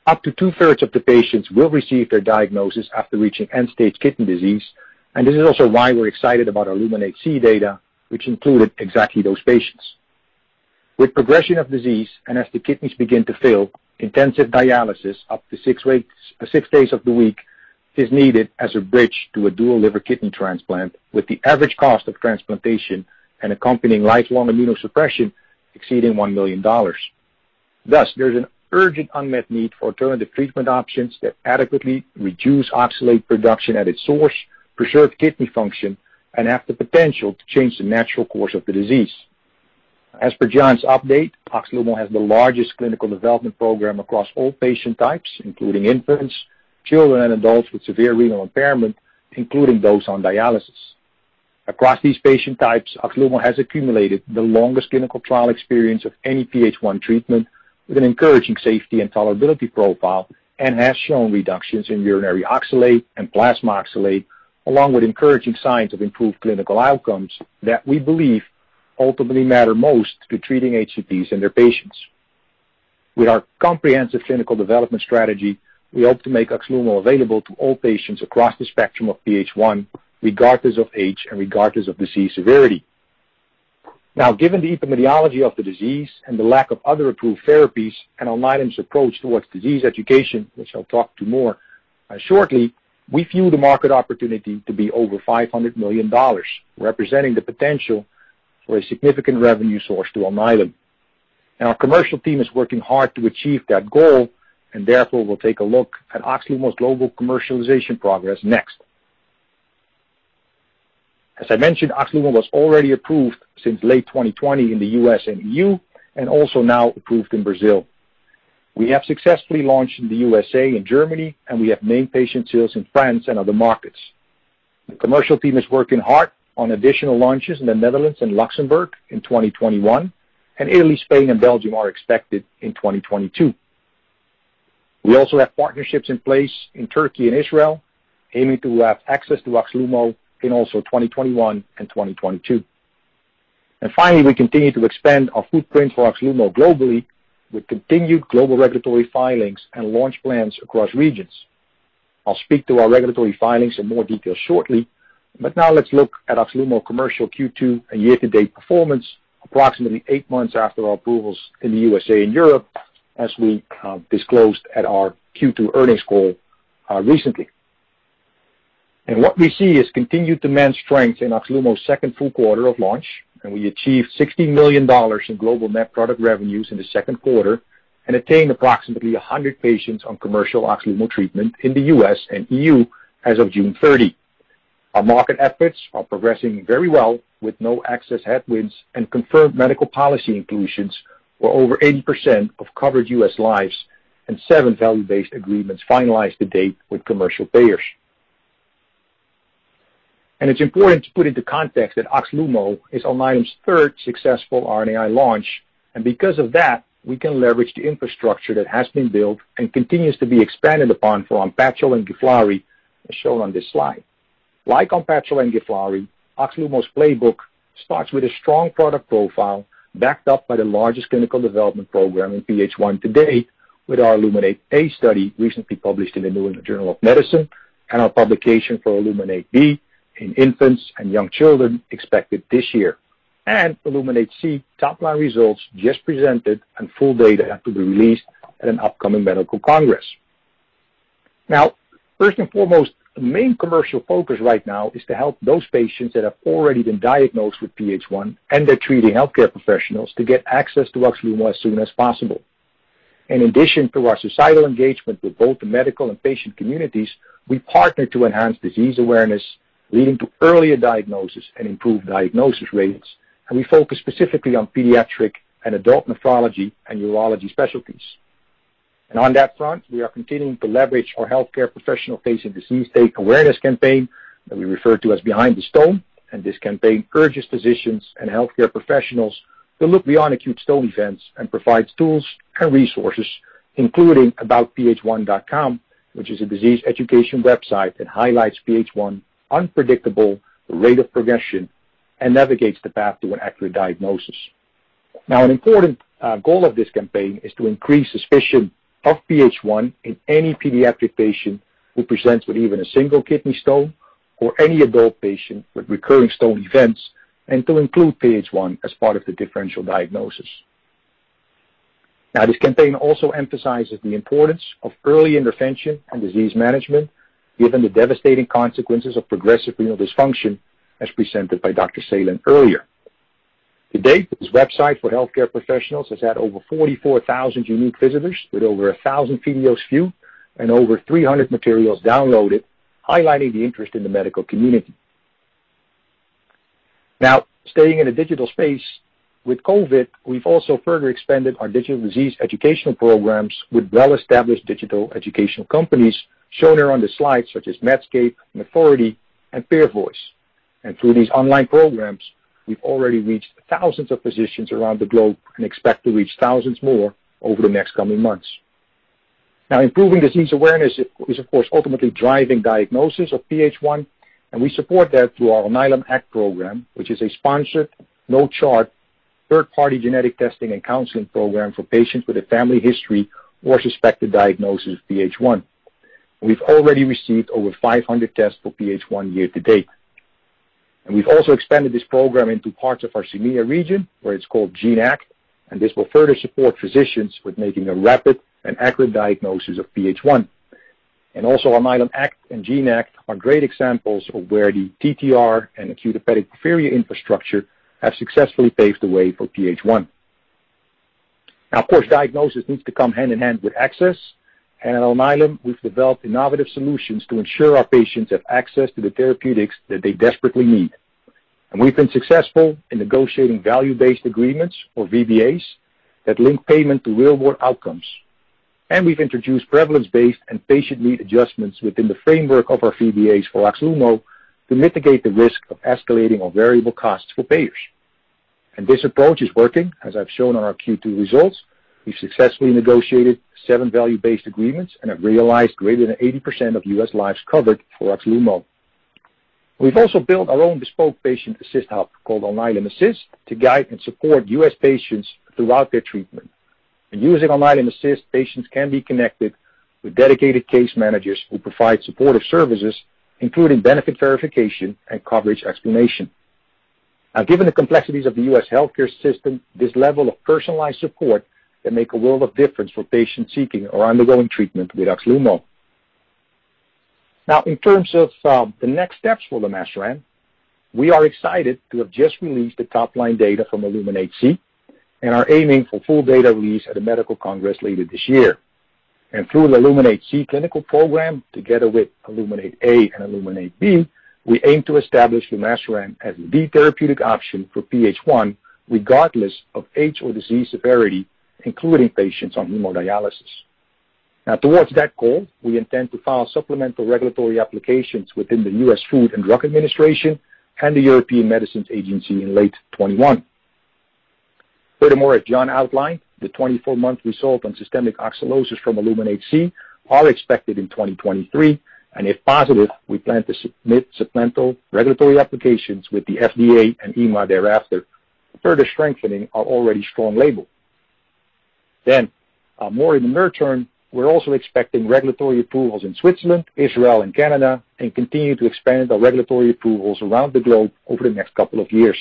Up to two-thirds of the patients will receive their diagnosis after reaching end-stage kidney disease, and this is also why we're excited about our ILLUMINATE-C data, which included exactly those patients. With progression of disease and as the kidneys begin to fail, intensive dialysis up to six days of the week is needed as a bridge to a dual liver kidney transplant, with the average cost of transplantation and accompanying lifelong immunosuppression exceeding $1 million. Thus, there's an urgent unmet need for alternative treatment options that adequately reduce oxalate production at its source, preserve kidney function, and have the potential to change the natural course of the disease. As per John's update, OXLUMO has the largest clinical development program across all patient types, including infants, children, and adults with severe renal impairment, including those on dialysis. Across these patient types, OXLUMO has accumulated the longest clinical trial experience of any PH1 treatment with an encouraging safety and tolerability profile and has shown reductions in urinary oxalate and plasma oxalate, along with encouraging signs of improved clinical outcomes that we believe ultimately matter most to treating HCPs and their patients. With our comprehensive clinical development strategy, we hope to make OXLUMO available to all patients across the spectrum of PH1, regardless of age and regardless of disease severity. Now, given the epidemiology of the disease and the lack of other approved therapies and Alnylam's approach towards disease education, which I'll talk to more shortly, we view the market opportunity to be over $500 million, representing the potential for a significant revenue source to Alnylam, and our commercial team is working hard to achieve that goal, and therefore we'll take a look at OXLUMO's global commercialization progress next. As I mentioned, OXLUMO was already approved since late 2020 in the U.S. and E.U., and also now approved in Brazil. We have successfully launched in the USA and Germany, and we have named patient sales in France and other markets. The commercial team is working hard on additional launches in the Netherlands and Luxembourg in 2021, and Italy, Spain, and Belgium are expected in 2022. We also have partnerships in place in Turkey and Israel, aiming to have access to OXLUMO in also 2021 and 2022. And finally, we continue to expand our footprint for OXLUMO globally with continued global regulatory filings and launch plans across regions. I'll speak to our regulatory filings in more detail shortly, but now let's look at OXLUMO commercial Q2 and year-to-date performance, approximately eight months after our approvals in the USA and Europe, as we disclosed at our Q2 earnings call recently. What we see is continued demand strength in OXLUMO's second full quarter of launch, and we achieved $16 million in global net product revenues in the second quarter and attained approximately 100 patients on commercial OXLUMO treatment in the U.S. and E.U. as of June 30. Our market efforts are progressing very well with no excess headwinds and confirmed medical policy inclusions for over 80% of covered U.S. lives, and seven value-based agreements finalized to date with commercial payers. It's important to put into context that OXLUMO is Alnylam's third successful RNAi launch, and because of that, we can leverage the infrastructure that has been built and continues to be expanded upon for ONPATTRO and GIVLAARI, as shown on this slide. Like ONPATTRO and GIVLAARI, OXLUMO's playbook starts with a strong product profile backed up by the largest clinical development program in PH1 to date, with our ILLUMINATE-A study recently published in the New England Journal of Medicine and our publication for ILLUMINATE-B in infants and young children expected this year, and ILLUMINATE-C topline results just presented, and full data have to be released at an upcoming medical congress. Now, first and foremost, the main commercial focus right now is to help those patients that have already been diagnosed with PH1 and their treating healthcare professionals to get access to OXLUMO as soon as possible. In addition to our societal engagement with both the medical and patient communities, we partner to enhance disease awareness, leading to earlier diagnosis and improved diagnosis rates, and we focus specifically on pediatric and adult nephrology and urology specialties. On that front, we are continuing to leverage our healthcare professional-facing and disease state awareness campaign that we refer to as Behind the Stone, and this campaign urges physicians and healthcare professionals to look beyond acute stone events and provides tools and resources, including aboutph1.com, which is a disease education website that highlights PH1's unpredictable rate of progression and navigates the path to an accurate diagnosis. Now, an important goal of this campaign is to increase suspicion of PH1 in any pediatric patient who presents with even a single kidney stone or any adult patient with recurring stone events, and to include PH1 as part of the differential diagnosis. Now, this campaign also emphasizes the importance of early intervention and disease management, given the devastating consequences of progressive renal dysfunction, as presented by Dr. Saland earlier. To date, this website for healthcare professionals has had over 44,000 unique visitors with over 1,000 videos viewed and over 300 materials downloaded, highlighting the interest in the medical community. Now, staying in a digital space, with COVID, we've also further expanded our digital disease educational programs with well-established digital educational companies shown here on the slide, such as Medscape, Medthority, and PeerVoice. And through these online programs, we've already reached thousands of physicians around the globe and expect to reach thousands more over the next coming months. Now, improving disease awareness is, of course, ultimately driving diagnosis of PH1, and we support that through our Alnylam Act program, which is a sponsored, no-cost, third-party genetic testing and counseling program for patients with a family history or suspected diagnosis of PH1. We've already received over 500 tests for PH1 year-to-date. And we've also expanded this program into parts of our CEMEA region, where it's called GeneAct, and this will further support physicians with making a rapid and accurate diagnosis of PH1. And also, Alnylam Act and GeneAct are great examples of where the TTR and acute hepatic porphyria infrastructure have successfully paved the way for PH1. Now, of course, diagnosis needs to come hand in hand with access, and at Alnylam, we've developed innovative solutions to ensure our patients have access to the therapeutics that they desperately need. And we've been successful in negotiating value-based agreements, or VBAs, that link payment to real-world outcomes. And we've introduced prevalence-based and patient need adjustments within the framework of our VBAs for OXLUMO to mitigate the risk of escalating or variable costs for payers. And this approach is working, as I've shown on our Q2 results. We've successfully negotiated seven value-based agreements and have realized greater than 80% of U.S. lives covered for OXLUMO. We've also built our own bespoke patient assist hub called Alnylam Assist to guide and support U.S. patients throughout their treatment. And using Alnylam Assist, patients can be connected with dedicated case managers who provide supportive services, including benefit verification and coverage explanation. Now, given the complexities of the U.S. healthcare system, this level of personalized support can make a world of difference for patients seeking or undergoing treatment with OXLUMO. Now, in terms of the next steps for lumasiran, we are excited to have just released the topline data from ILLUMINATE-C and are aiming for full data release at a medical congress later this year. Through the ILLUMINATE-C clinical program, together with ILLUMINATE-A and ILLUMINATE-B, we aim to establish lumasiran as the therapeutic option for PH1, regardless of age or disease severity, including patients on hemodialysis. Now, towards that goal, we intend to file supplemental regulatory applications within the US Food and Drug Administration and the European Medicines Agency in late 2021. Furthermore, as John outlined, the 24-month result on systemic oxalosis from ILLUMINATE-C is expected in 2023, and if positive, we plan to submit supplemental regulatory applications with the FDA and EMA thereafter, further strengthening our already strong label. More in the near term, we're also expecting regulatory approvals in Switzerland, Israel, and Canada, and continue to expand our regulatory approvals around the globe over the next couple of years.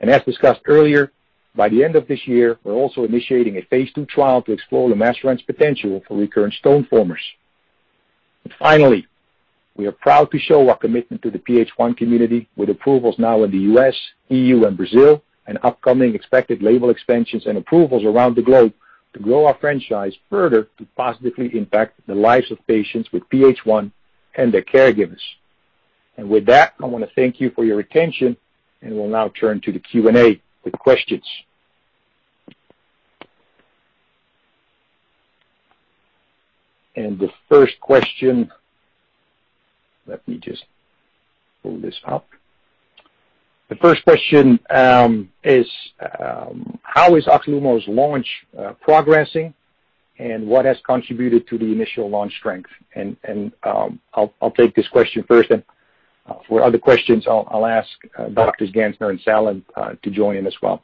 As discussed earlier, by the end of this year, we're also initiating a phase II trial to explore lumasiran's potential for recurrent stone formers. Finally, we are proud to show our commitment to the PH1 community with approvals now in the U.S., E.U., and Brazil, and upcoming expected label expansions and approvals around the globe to grow our franchise further to positively impact the lives of patients with PH1 and their caregivers. With that, I want to thank you for your attention, and we'll now turn to the Q&A with questions. The first question, let me just pull this up. The first question is, how is OXLUMO's launch progressing, and what has contributed to the initial launch strength? I'll take this question first, and for other questions, I'll ask Doctors Gansner and Saland to join in as well.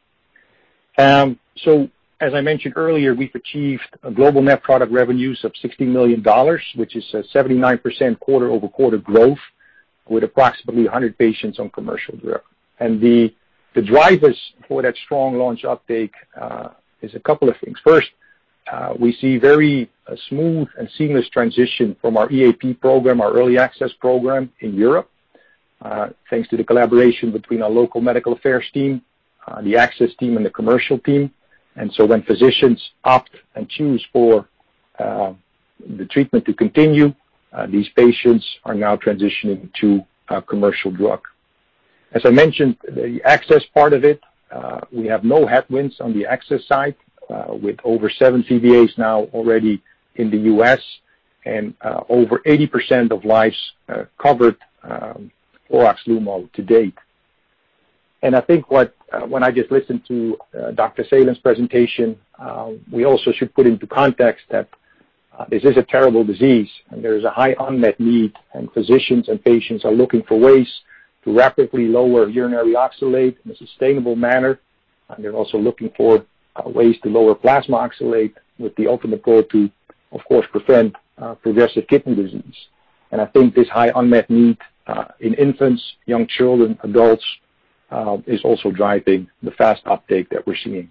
So, as I mentioned earlier, we've achieved global net product revenues of $16 million, which is a 79% quarter-over-quarter growth with approximately 100 patients on commercial drug. And the drivers for that strong launch update are a couple of things. First, we see a very smooth and seamless transition from our EAP program, our early access program in Europe, thanks to the collaboration between our local medical affairs team, the access team, and the commercial team. And so, when physicians opt and choose for the treatment to continue, these patients are now transitioning to commercial drug. As I mentioned, the access part of it, we have no headwinds on the access side with over seven VBAs now already in the U.S. and over 80% of lives covered for OXLUMO to date. And I think when I just listened to Dr. Saland's presentation, we also should put into context that this is a terrible disease, and there is a high unmet need, and physicians and patients are looking for ways to rapidly lower urinary oxalate in a sustainable manner. They're also looking for ways to lower plasma oxalate, with the ultimate goal to, of course, prevent progressive kidney disease. I think this high unmet need in infants, young children, adults is also driving the fast uptake that we're seeing.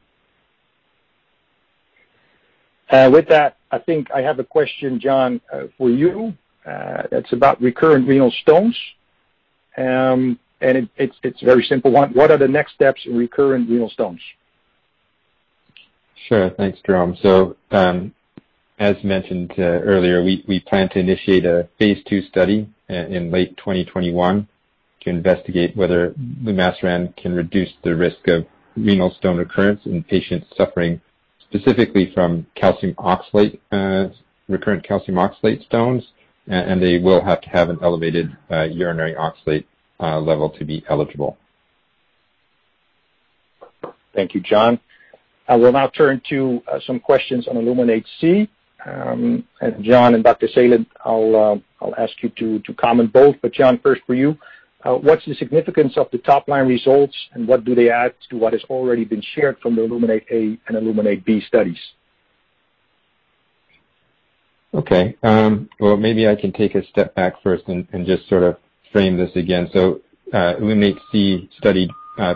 With that, I think I have a question, John, for you. It's about recurrent renal stones, and it's very simple. What are the next steps in recurrent renal stones? Sure. Thanks, Jeroen. As mentioned earlier, we plan to initiate a phase II study in late 2021 to investigate whether lumasiran can reduce the risk of renal stone recurrence in patients suffering specifically from recurrent calcium oxalate stones, and they will have to have an elevated urinary oxalate level to be eligible. Thank you, John. I will now turn to some questions on ILLUMINATE-C, and John and Dr. Saland, I'll ask you to comment both, but John, first for you. What's the significance of the topline results, and what do they add to what has already been shared from the ILLUMINATE-A and ILLUMINATE-B studies? Okay. Well, maybe I can take a step back first and just sort of frame this again. ILLUMINATE-C studied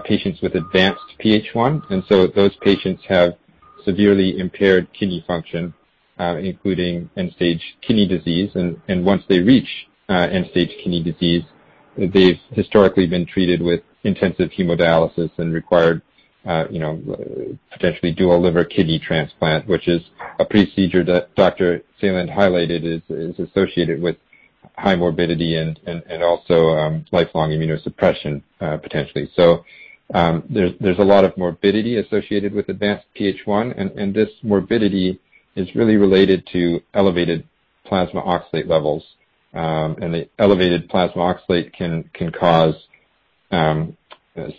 patients with advanced PH1, and so those patients have severely impaired kidney function, including end-stage kidney disease. And once they reach end-stage kidney disease, they've historically been treated with intensive hemodialysis and required potentially dual liver kidney transplant, which is a procedure that Dr. Saland highlighted is associated with high morbidity and also lifelong immunosuppression, potentially. So, there's a lot of morbidity associated with advanced PH1, and this morbidity is really related to elevated plasma oxalate levels. And the elevated plasma oxalate can cause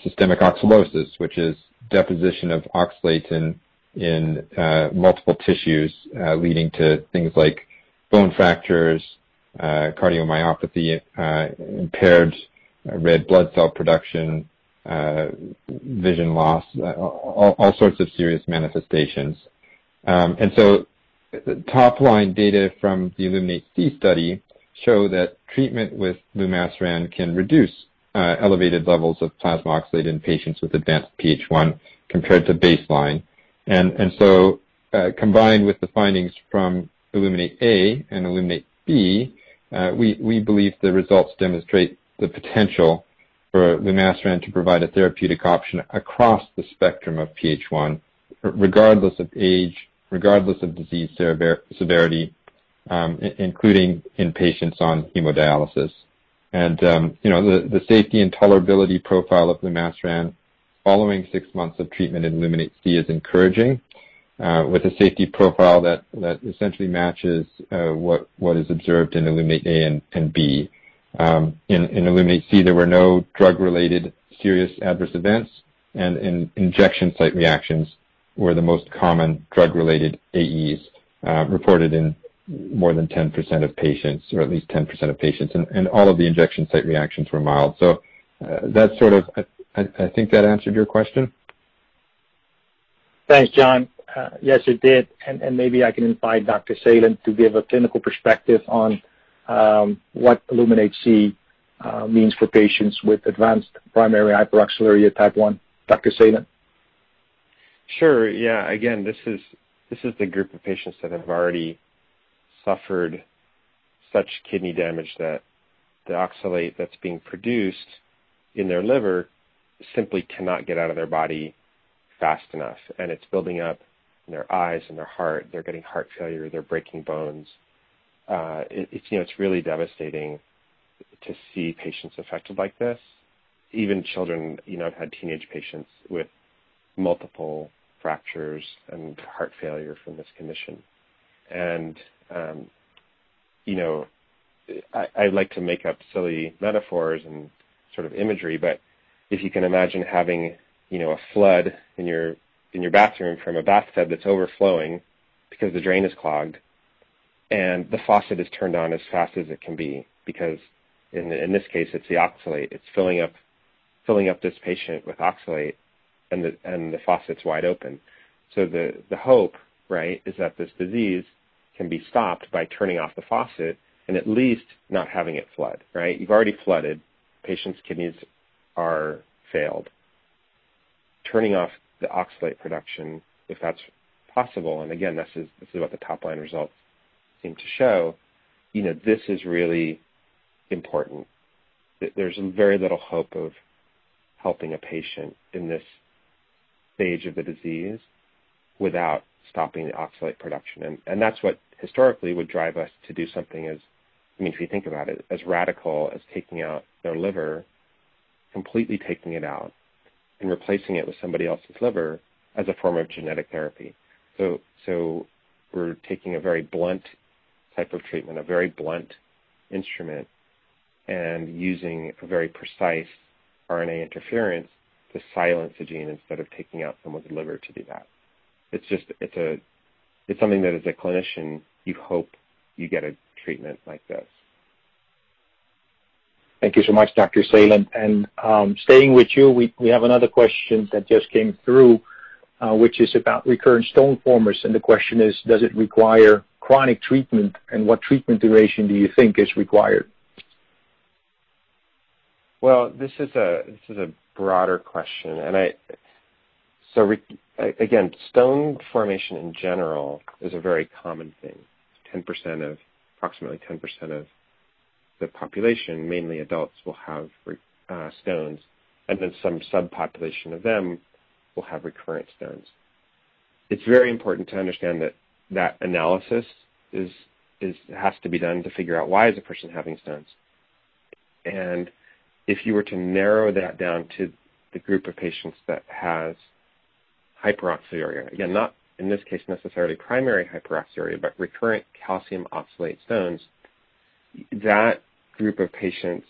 systemic oxalosis, which is deposition of oxalate in multiple tissues, leading to things like bone fractures, cardiomyopathy, impaired red blood cell production, vision loss, all sorts of serious manifestations. And so, topline data from the ILLUMINATE-C study show that treatment with lumasiran can reduce elevated levels of plasma oxalate in patients with advanced PH1 compared to baseline. And so, combined with the findings from ILLUMINATE-A and ILLUMINATE-B, we believe the results demonstrate the potential for lumasiran to provide a therapeutic option across the spectrum of PH1, regardless of age, regardless of disease severity, including in patients on hemodialysis. And the safety and tolerability profile of lumasiran following six months of treatment in ILLUMINATE-C is encouraging, with a safety profile that essentially matches what is observed in ILLUMINATE-A and B. In ILLUMINATE-C, there were no drug-related serious adverse events, and injection site reactions were the most common drug-related AEs reported in more than 10% of patients, or at least 10% of patients, and all of the injection site reactions were mild. So, that's sort of I think that answered your question. Thanks, John. Yes, it did. And maybe I can invite Dr. Saland to give a clinical perspective on what ILLUMINATE-C means for patients with advanced primary hyperoxaluria type 1. Dr. Saland? Sure. Yeah. Again, this is the group of patients that have already suffered such kidney damage that the oxalate that's being produced in their liver simply cannot get out of their body fast enough. And it's building up in their eyes, in their heart. They're getting heart failure. They're breaking bones. It's really devastating to see patients affected like this. Even children, I've had teenage patients with multiple fractures and heart failure from this condition. And I like to make up silly metaphors and sort of imagery, but if you can imagine having a flood in your bathroom from a bathtub that's overflowing because the drain is clogged and the faucet is turned on as fast as it can be because, in this case, it's the oxalate. It's filling up this patient with oxalate, and the faucet's wide open, so the hope, right, is that this disease can be stopped by turning off the faucet and at least not having it flood, right? You've already flooded. Patients' kidneys are failed. Turning off the oxalate production, if that's possible, and again, this is what the topline results seem to show, this is really important. There's very little hope of helping a patient in this stage of the disease without stopping the oxalate production, and that's what historically would drive us to do something as, I mean, if you think about it, as radical as taking out their liver, completely taking it out and replacing it with somebody else's liver as a form of genetic therapy. We're taking a very blunt type of treatment, a very blunt instrument, and using a very precise RNA interference to silence a gene instead of taking out someone's liver to do that. It's something that, as a clinician, you hope you get a treatment like this. Thank you so much, Dr. Saland. And staying with you, we have another question that just came through, which is about recurrent stone formers. And the question is, does it require chronic treatment, and what treatment duration do you think is required? Well, this is a broader question. And so, again, stone formation in general is a very common thing. Approximately 10% of the population, mainly adults, will have stones, and then some subpopulation of them will have recurrent stones. It's very important to understand that that analysis has to be done to figure out why is a person having stones. And if you were to narrow that down to the group of patients that has hyperoxaluria, again, not in this case necessarily primary hyperoxaluria, but recurrent calcium oxalate stones, that group of patients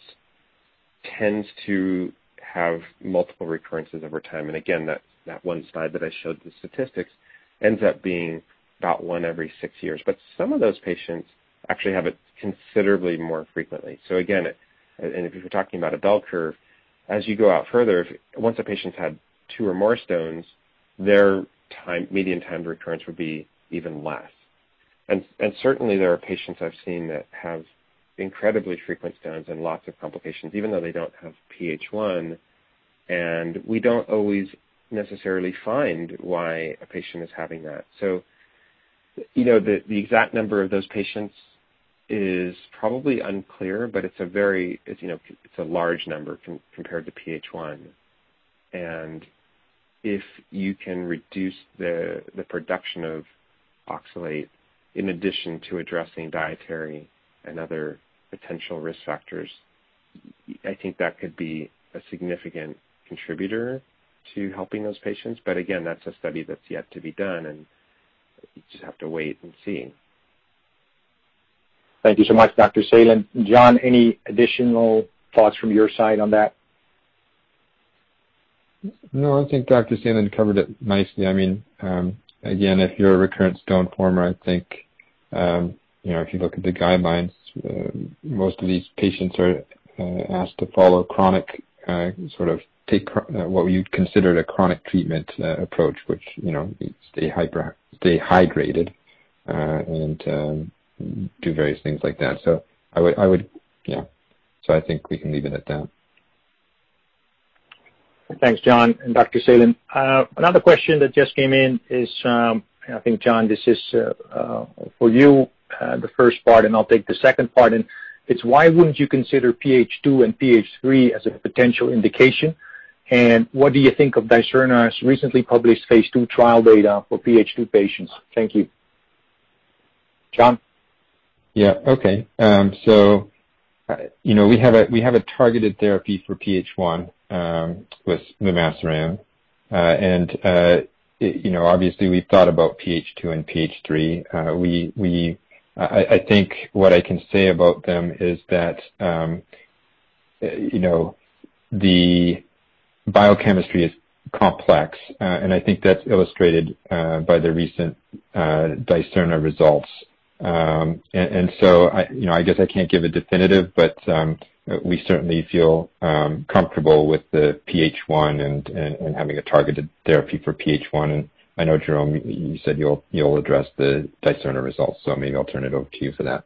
tends to have multiple recurrences over time. And again, that one slide that I showed the statistics ends up being about one every six years. But some of those patients actually have it considerably more frequently. So again, and if you're talking about a bell curve, as you go out further, once a patient's had two or more stones, their median time to recurrence would be even less. And certainly, there are patients I've seen that have incredibly frequent stones and lots of complications, even though they don't have PH1, and we don't always necessarily find why a patient is having that. The exact number of those patients is probably unclear, but it's a large number compared to PH1. And if you can reduce the production of oxalate in addition to addressing dietary and other potential risk factors, I think that could be a significant contributor to helping those patients. But again, that's a study that's yet to be done, and you just have to wait and see. Thank you so much, Dr. Saland. John, any additional thoughts from your side on that? No, I think Dr. Saland covered it nicely. I mean, again, if you're a recurrent stone former, I think if you look at the guidelines, most of these patients are asked to follow chronic sort of take what we would consider a chronic treatment approach, which is stay hydrated and do various things like that. So I would, yeah. So I think we can leave it at that. Thanks, John. And Dr. Saland, another question that just came in is, and I think, John, this is for you, the first part, and I'll take the second part. And it's, why wouldn't you consider PH2 and PH3 as a potential indication? And what do you think of Dicerna's recently published phase II trial data for PH2 patients? Thank you. John? Yeah. Okay. So we have a targeted therapy for PH1 with lumasiran, and obviously, we've thought about PH2 and PH3. I think what I can say about them is that the biochemistry is complex, and I think that's illustrated by the recent Dicerna results. And so I guess I can't give a definitive, but we certainly feel comfortable with the PH1 and having a targeted therapy for PH1. And I know, Jeroen, you said you'll address the Dicerna results, so maybe I'll turn it over to you for that.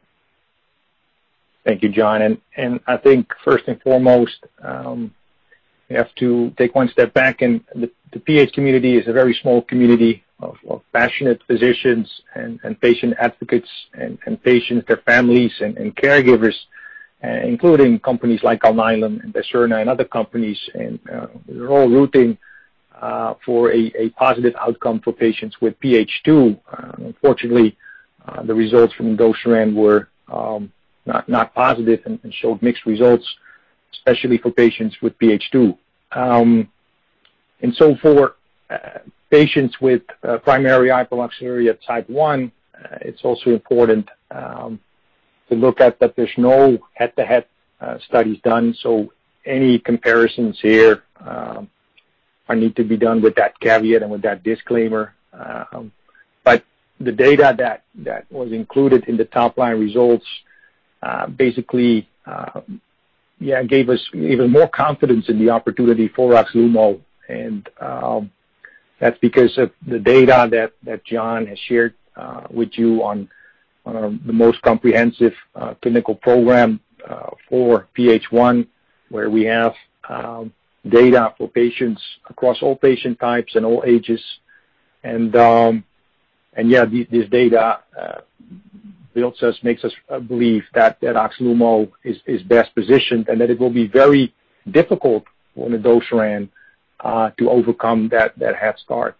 Thank you, John. And I think, first and foremost, we have to take one step back. And the PH community is a very small community of passionate physicians and patient advocates and patients, their families, and caregivers, including companies like Alnylam and Dicerna and other companies. And we're all rooting for a positive outcome for patients with PH2. Unfortunately, the results from Dicerna were not positive and showed mixed results, especially for patients with PH2. And so for patients with primary hyperoxaluria type 1, it's also important to look at that there's no head-to-head studies done. So any comparisons here need to be done with that caveat and with that disclaimer. But the data that was included in the topline results basically, yeah, gave us even more confidence in the opportunity for OXLUMO. And that's because of the data that John has shared with you on the most comprehensive clinical program for PH1, where we have data for patients across all patient types and all ages. And yeah, this data makes us believe that OXLUMO is best positioned and that it will be very difficult for Dicerna to overcome that head start.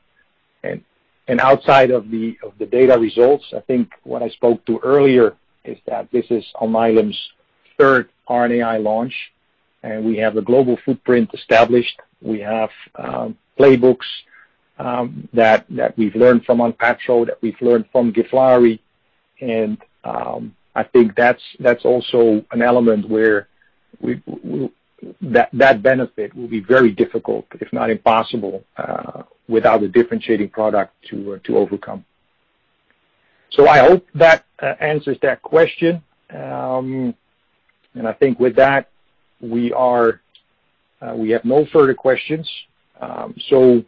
And outside of the data results, I think what I spoke to earlier is that this is Alnylam's third RNAi launch, and we have a global footprint established. We have playbooks that we've learned from ONPATTRO, that we've learned from GIVLAARI. And I think that's also an element where that benefit will be very difficult, if not impossible, without a differentiating product to overcome. So I hope that answers that question. And I think with that, we have no further questions. So,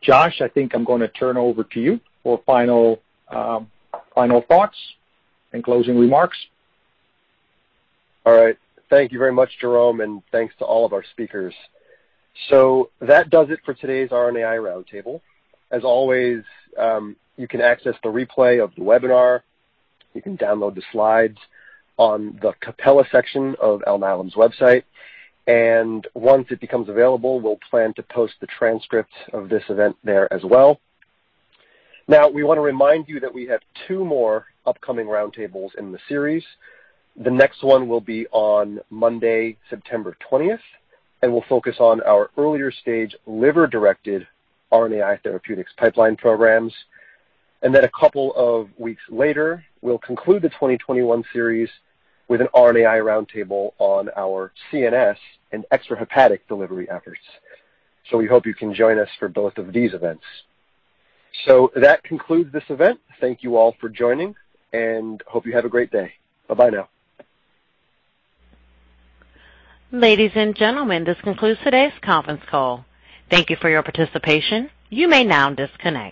Josh, I think I'm going to turn over to you for final thoughts and closing remarks. All right. Thank you very much, Jeroen, and thanks to all of our speakers. So that does it for today's RNAi roundtable. As always, you can access the replay of the webinar. You can download the slides on the Capella section of Alnylam's website. And once it becomes available, we'll plan to post the transcript of this event there as well. Now, we want to remind you that we have two more upcoming roundtables in the series. The next one will be on Monday, September 20th, and we'll focus on our earlier stage liver-directed RNAi therapeutics pipeline programs. And then a couple of weeks later, we'll conclude the 2021 series with an RNAi roundtable on our CNS and extrahepatic delivery efforts. So we hope you can join us for both of these events. So that concludes this event. Thank you all for joining, and hope you have a great day. Bye-bye now. Ladies and gentlemen, this concludes today's conference call. Thank you for your participation. You may now disconnect.